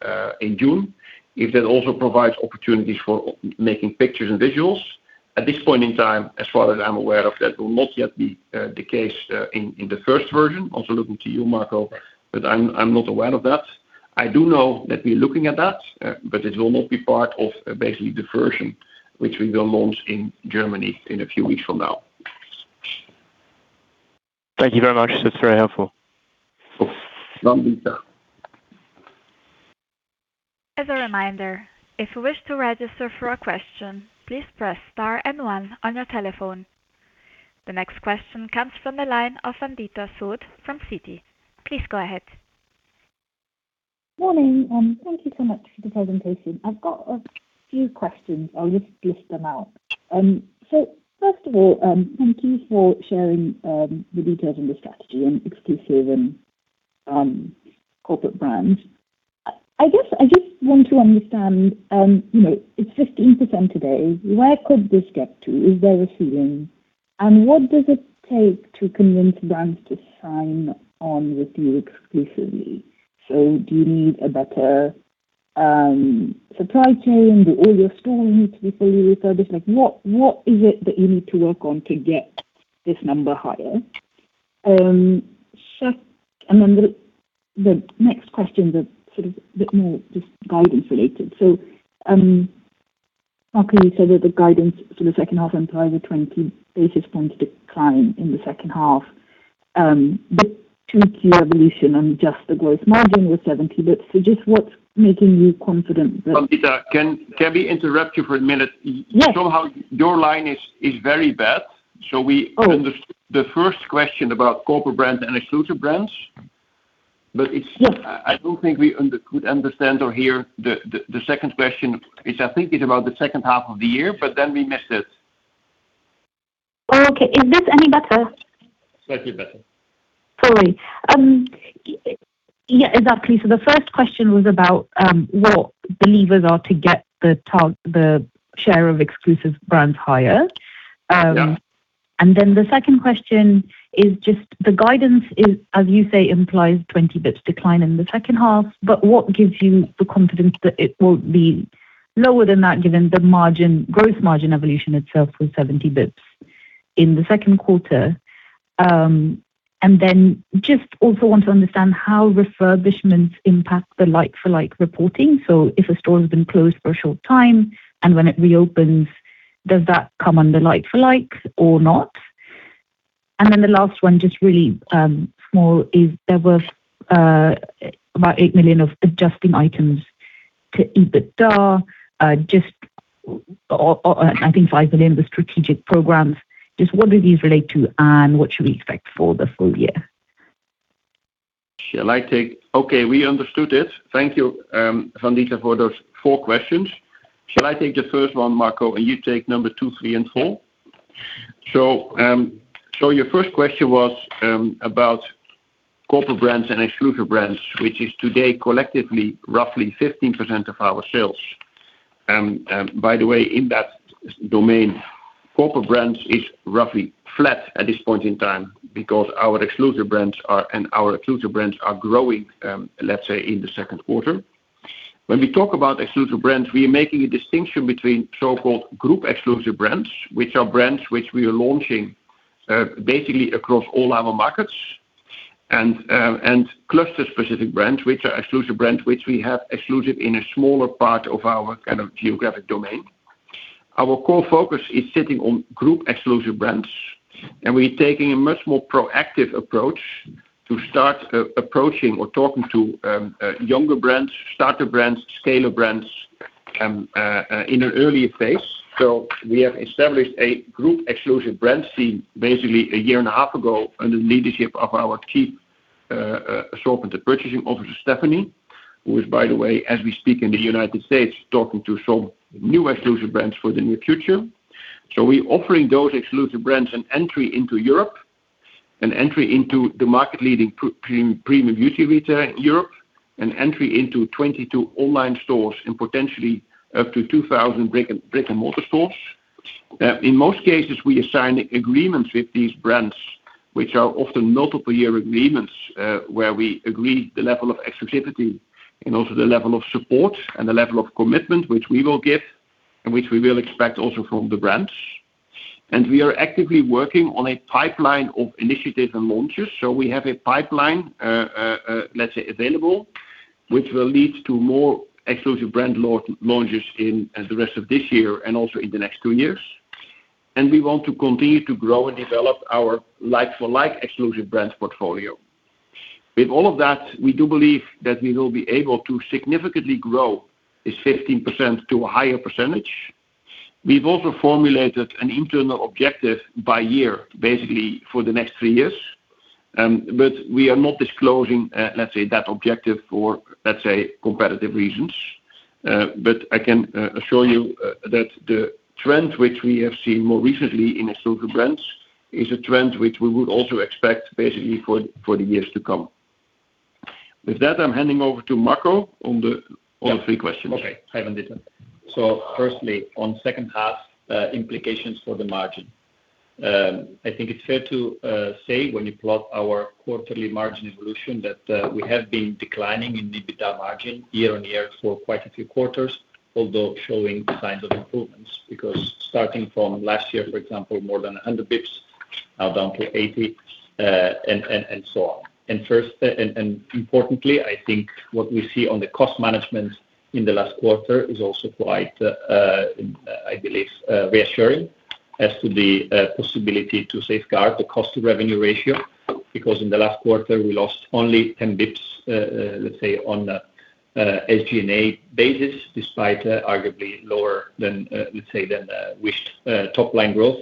June, if that also provides opportunities for making pictures and visuals. At this point in time, as far as I'm aware of, that will not yet be, the case, in the first version. Looking to you, Marco, but I'm not aware of that. I do know that we're looking at that, but it will not be part of basically the version which we will launch in Germany in a few weeks from now. Thank you very much. That's very helpful. Of course. As a reminder, if you wish to register for a question, please press star and one on your telephone. The next question comes from the line of Vandita Sood from Citi. Please go ahead. Morning, thank you so much for the presentation. I've got a few questions. I'll just list them out. First of all, thank you for sharing the details on the strategy and exclusive and corporate brands. I guess I just want to understand, you know, it's 15% today. Where could this get to? Is there a ceiling? What does it take to convince brands to sign on with you exclusively? Do you need a better supply chain? Do all your stores need to be fully refurbished? Like, what is it that you need to work on to get this number higher? The next question that sort of bit more just guidance related. The guidance for the second half implies a 20 basis point decline in the second half. The 2-Tier evolution on just the gross margin was 70 basis points. Just what's making you confident? Vandita, can we interrupt you for a minute? Yes. Somehow your line is very bad. Oh. Understood the first question about corporate brands and exclusive brands. Yes. I don't think we could understand or hear the second question, which I think is about the second half of the year. We missed it. Oh, okay. Is this any better? Slightly better. Sorry. Yeah, exactly. The first question was about what levers are to get the share of exclusive brands higher. Yeah. The second question is just the guidance is, as you say, implies a 20 basis points decline in the second half, but what gives you the confidence that it will be lower than that, given the margin, gross margin evolution itself was 70 basis points in the second quarter. Just also want to understand how refurbishments impact the like-for-like reporting. So if a store has been closed for a short time, and when it reopens, does that come under like-for-like or not? The last one, just really small, is there was about 8 million of adjusting items to EBITDA, just I think 5 million with strategic programs. Just what do these relate to, and what should we expect for the full year? Okay, we understood it. Thank you, Vandita, for those four questions. Shall I take the first one, Marco, and you take numbers two, three, and four? Your 1st question was about corporate brands and exclusive brands, which is today collectively roughly 15% of our sales. By the way, in that domain, corporate brands is roughly flat at this point in time because our exclusive brands are growing, let's say in the second quarter. When we talk about exclusive brands, we are making a distinction between so-called group exclusive brands, which are brands which we are launching basically across all our markets, and cluster-specific brands, which are exclusive brands which we have exclusive in a smaller part of our kind of geographic domain. Our core focus is sitting on group exclusive brands, and we're taking a much more proactive approach to start approaching or talking to younger brands, starter brands, scale-up brands in an earlier phase. We have established a group exclusive brand team, basically a year and a half ago, under the leadership of our Chief Assortment and Purchasing Officer Stephanie, who is, by the way, as we speak in the U.S., talking to some new exclusive brands for the near future. We're offering those exclusive brands an entry into Europe, an entry into the market-leading premium beauty retail in Europe, an entry into 22 online stores, and potentially up to 2,000 brick-and-mortar stores. In most cases, we assign agreements with these brands, which are often multiple-year agreements, where we agree the level of exclusivity and also the level of support and the level of commitment which we will give and which we will expect also from the brands. We are actively working on a pipeline of initiatives and launches. We have a pipeline available, which will lead to more exclusive brand launches in, as the rest of this year and also in the next two years. We want to continue to grow and develop our like-for-like exclusive brands portfolio. With all of that, we do believe that we will be able to significantly grow this 15% to a higher percentage. We've also formulated an internal objective by year, basically for the next three years. We are not disclosing, let's say that objective for, let's say, competitive reasons. I can assure you that the trend which we have seen more recently in exclusive brands is a trend which we would also expect basically for the years to come. With that, I am handing over to Marco on the, on the three questions. Yeah. Okay. Hi, Vandita. Firstly, on second half, implications for the margin. I think it's fair to say when you plot our quarterly margin evolution, that we have been declining in EBITDA margin year-on-year for quite a few quarters, although showing signs of improvement. Because starting from last year, for example, more than 100 basis points, now down to 80 basis points, and so on. First, and importantly, I think what we see on the cost management in the last quarter is also quite, I believe, reassuring as to the possibility to safeguard the cost-to-revenue ratio. In the last quarter, we lost only 10 basis points on a SG&A basis, despite arguably lower than the wished top-line growth,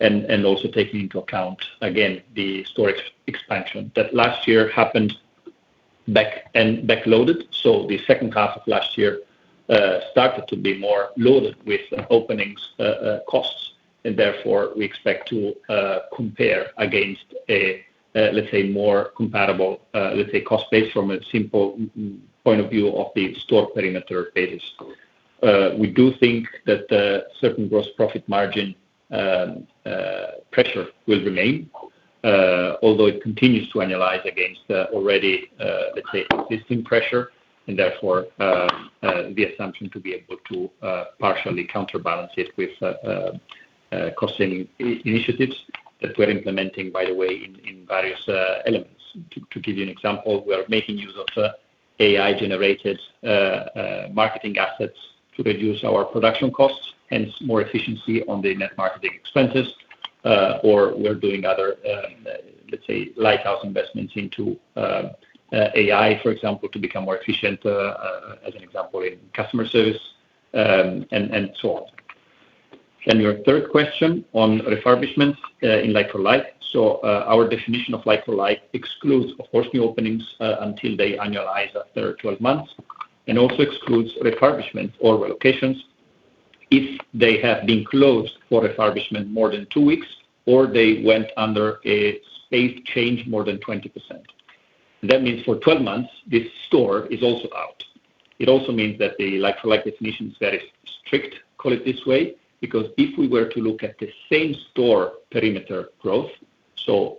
and also taking into account again, the store ex-expansion that last year happened back and back loaded. The second half of last year started to be more loaded with opening costs, and therefore, we expect to compare against a more compatible cost base from a simple point of view of the store perimeter basis. We do think that the certain gross profit margin pressure will remain, although it continues to annualize against already, let's say existing pressure, and therefore, the assumption to be able to partially counterbalance it with cost saving initiatives that we're implementing, by the way, in various elements. To give you an example, we are making use of AI-generated marketing assets to reduce our production costs, hence more efficiency on the net marketing expenses. Or we're doing other, let's say, lighthouse investments into AI, for example, to become more efficient as an example, in customer service, and so on. Your third question on refurbishments in like-for-like. Our definition of like-for-like excludes, of course, new openings, until they annualize after 12 months, and also excludes refurbishment or relocations if they have been closed for refurbishment for more than two weeks, or they went under a space change of more than 20%. That means for 12 months, this store is also out. It also means that the like-for-like definition is very strict, call it this way, because if we were to look at the same store perimeter growth,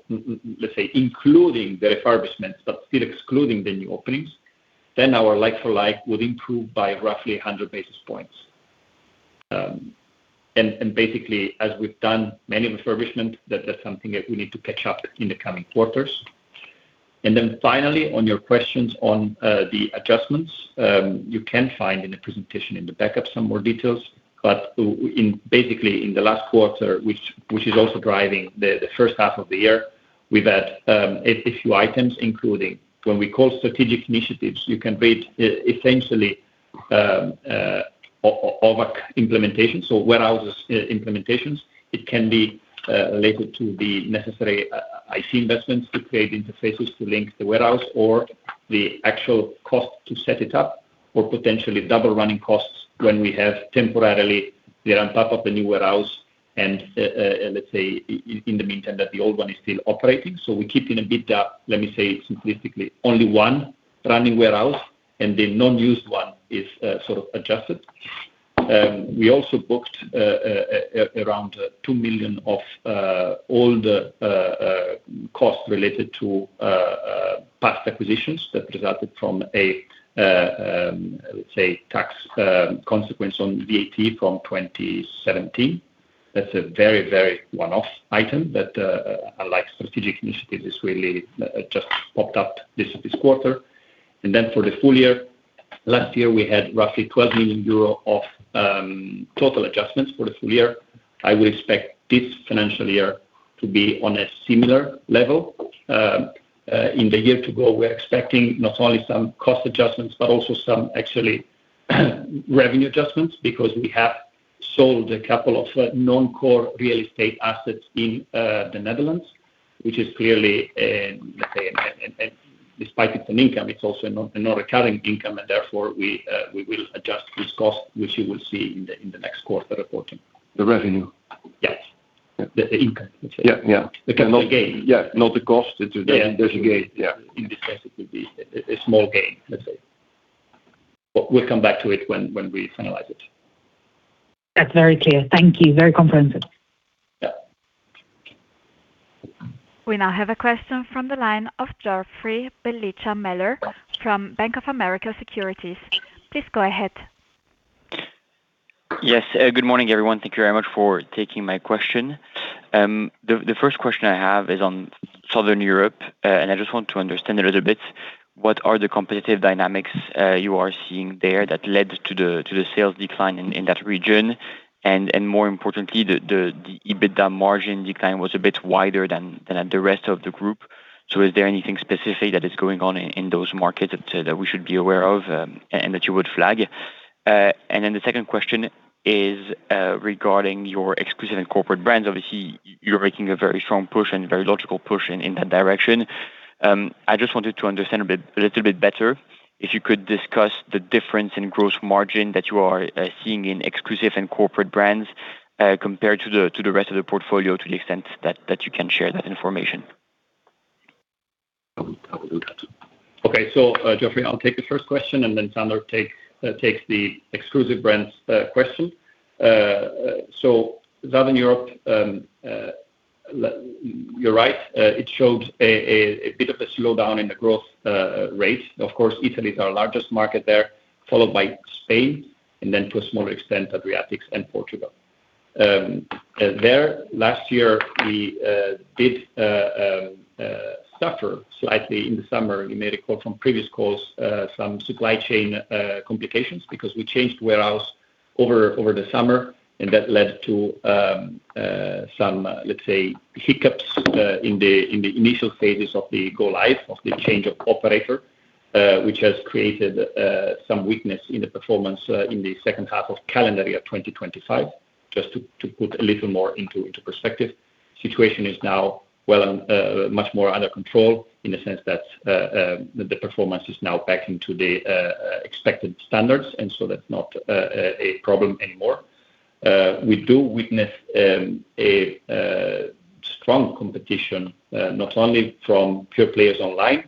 including the refurbishments but still excluding the new openings, then our like-for-like would improve by roughly 100 basis points. Basically, as we've done many refurbishments, that's something that we need to catch up in the coming quarters. Finally, on your questions on the adjustments, you can find in the presentation in the backup some more details. Basically, in the last quarter, which is also driving the first half of the year, we've had a few items, including what we call strategic initiatives. You can read essentially over implementations or warehouse implementations. It can be related to the necessary IT investments to create interfaces to link the warehouse or the actual cost to set it up, or potentially double running costs when we have temporarily they're on top of the new warehouse, and let's say in the meantime that the old one is still operating. We keep in a bit, let me say simplistically, only one running warehouse, and the non-used one is sort of adjusted. We also booked around 2 million of all the costs related to past acquisitions that resulted from, let's say, tax consequences on VAT from 2017. That's a very, very one-off item that, unlike strategic initiatives, this really just popped up this quarter. For the full year, last year we had roughly 12 million euro of total adjustments for the full year. I would expect this financial year to be on a similar level. In the year to go, we're expecting not only some cost adjustments, but also some actually revenue adjustments because we have sold a couple of non-core real estate assets in the Netherlands, which is clearly, let's say, and despite it's an income, it's also a not recurring income and therefore we will adjust this cost, which you will see in the next quarter reporting. The revenue? Yes. The income. Yeah. Yeah. The gain. Yeah, not the cost. It's the gain. Yeah. In this case, it would be a small gain, let's say. We'll come back to it when we finalize it. That's very clear. Thank you. Very comprehensive. Yeah. We now have a question from the line of Joffrey Bellicha Meller from Bank of America Securities. Please go ahead. Yes. Good morning, everyone. Thank you very much for taking my question. The first question I have is on Southern Europe, and I just want to understand a little bit what the competitive dynamics are you are seeing there that led to the sales decline in that region? More importantly, the EBITDA margin decline was a bit wider than the rest of the group. Is there anything specific that is going on in those markets that we should be aware of and that you would flag? Then the second question is regarding your exclusive and corporate brands. Obviously, you're making a very strong push and very logical push in that direction. I just wanted to understand a bit, a little bit better, if you could discuss the difference in gross margin that you are seeing in exclusive and corporate brands compared to the rest of the portfolio, to the extent that you can share that information. I will do that. Okay. Joffrey, I'll take the first question, and then Sander takes the exclusive brands question. Southern Europe, you're right, it showed a bit of a slowdown in the growth rate. Of course, Italy is our largest market there, followed by Spain and then to a smaller extent, Adriatics and Portugal. There last year we did suffer slightly in the summer. You may recall from previous calls some supply chain complications because we changed warehouses over the summer, and that led to some, let's say, hiccups in the initial phases of the go-live of the change of operator, which has created some weakness in the performance in the second half of calendar year 2025. Just to put a little more into perspective. Situation is now well, much more under control in the sense that the performance is now back into the expected standards, that's not a problem anymore. We do witness strong competition, not only from pure players online,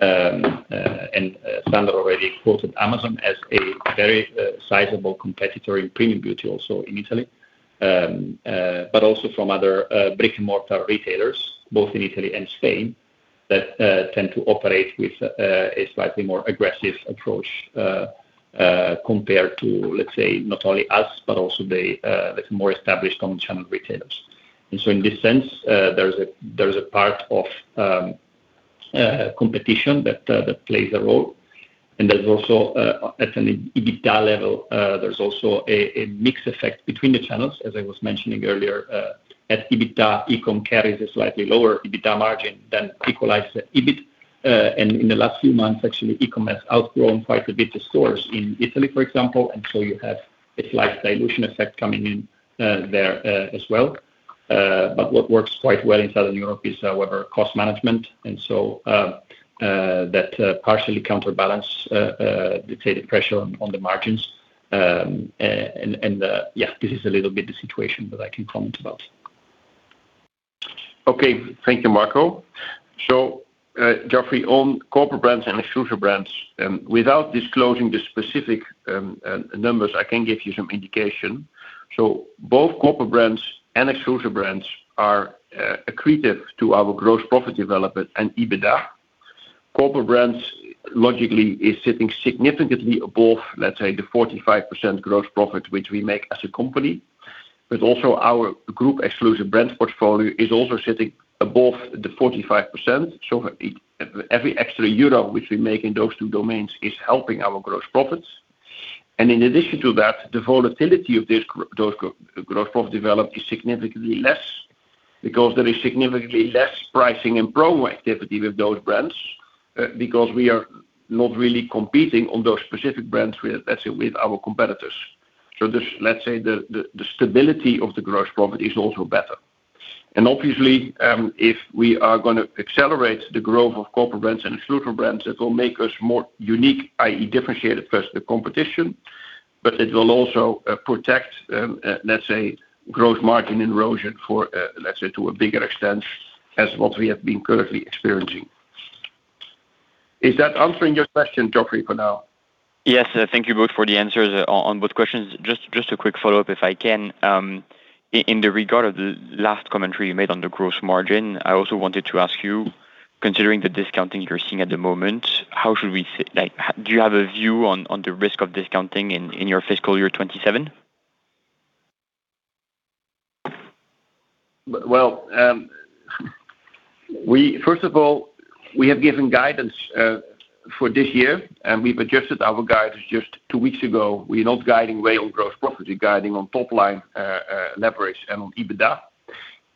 Sander already quoted Amazon as a very sizable competitor in premium beauty, also in Italy. But also from other brick-and-mortar retailers both in Italy and Spain that tend to operate with a slightly more aggressive approach compared to, let's say, not only us, but also the more established omnichannel retailers. In this sense, there's a part of competition that plays a role, and there's also at an EBITDA level, there's also a mix effect between the channels, as I was mentioning earlier. At EBITDA, E-Com carries a slightly lower EBITDA margin than equalized EBIT. In the last few months, actually, e-commerce has outgrown quite a bit the stores in Italy, for example, and so you have a slight dilution effect coming in there as well. What works quite well in Southern Europe, however, is cost management. That partially counterbalances the stated pressure on the margins. Yeah, this is a little bit the situation that I can comment about. Okay. Thank you, Marco. Joffrey, on corporate brands and exclusive brands, without disclosing the specific numbers, I can give you some indication. Both corporate brands and exclusive brands are accretive to our gross profit development and EBITDA. Corporate brands, logically, is sitting significantly above, let's say, the 45% gross profit, which we make as a company. Also, our group's exclusive brand portfolio is also sitting above the 45%. Every extra euro which we make in those two domains is helping our gross profits. In addition to that, the volatility of those gross profit developments is significantly less because there is significantly less pricing and promo activity with those brands, because we are not really competing on those specific brands with, let's say, with our competitors. The, let's say the stability of the gross profit is also better. Obviously, if we are gonna accelerate the growth of corporate brands and exclusive brands, it will make us more unique, i.e. differentiated versus the competition, but it will also protect, let's say, growth margin erosion for, let's say to a bigger extent as what we have been currently experiencing. Is that answering your question, Joffrey, for now? Yes. Thank you both for the answers on both questions. Just a quick follow-up, if I can. In the regard of the last commentary you made on the gross margin, I also wanted to ask you, considering the discounting you're seeing at the moment, like, do you have a view on the risk of discounting in your fiscal year 2027? First of all, we have given guidance for this year, and we adjusted our guidance just two weeks ago. We're not guiding way on gross profit, guiding on top-line, leverage, and on EBITDA.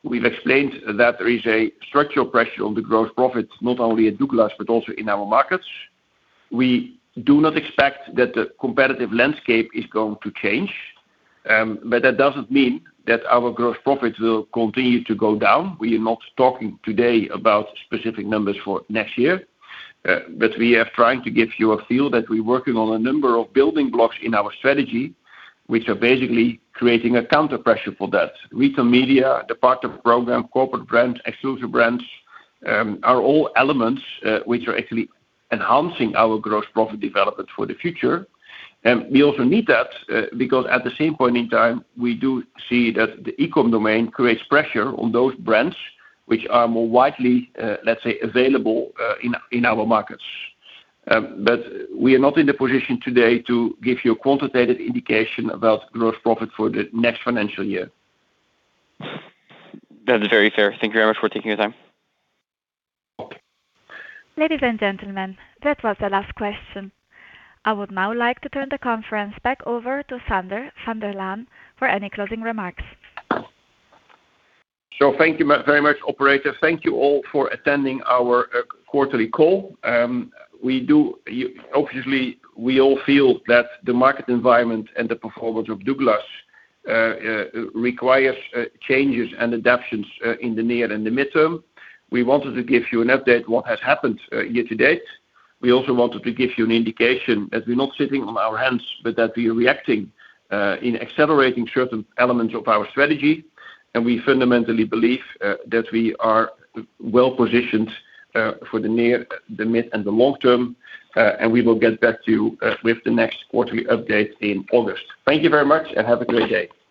We've explained that there is a structural pressure on the gross profits, not only at DOUGLAS, but also in our markets. We do not expect that the competitive landscape is going to change, but that doesn't mean that our gross profits will continue to go down. We are not talking today about specific numbers for next year, but we are trying to give you a feel that we're working on a number of building blocks in our strategy, which are basically creating a counterpressure for that. Retail media, the partner program, corporate brand, exclusive brands, are all elements which are actually enhancing our gross profit development for the future. We also need that because at the same point in time, we do see that the E-Com domain creates pressure on those brands which are more widely, let's say, available in our markets. We are not in the position today to give you a quantitative indication about gross profit for the next financial year. That's very fair. Thank you very much for taking your time. Okay. Ladies and gentlemen, that was the last question. I would now like to turn the conference back over to Sander van der Laan for any closing remarks. Thank you very much, operator. Thank you all for attending our quarterly call. Obviously, we all feel that the market environment and the performance of DOUGLAS require changes and adaptations in the near and the midterm. We wanted to give you an update on what has happened year to date. We also wanted to give you an indication that we're not sitting on our hands, but that we are reacting in accelerating certain elements of our strategy. We fundamentally believe that we are well-positioned for the near, the mid, and the long term, and we will get back to you with the next quarterly update in August. Thank you very much, and have a great day.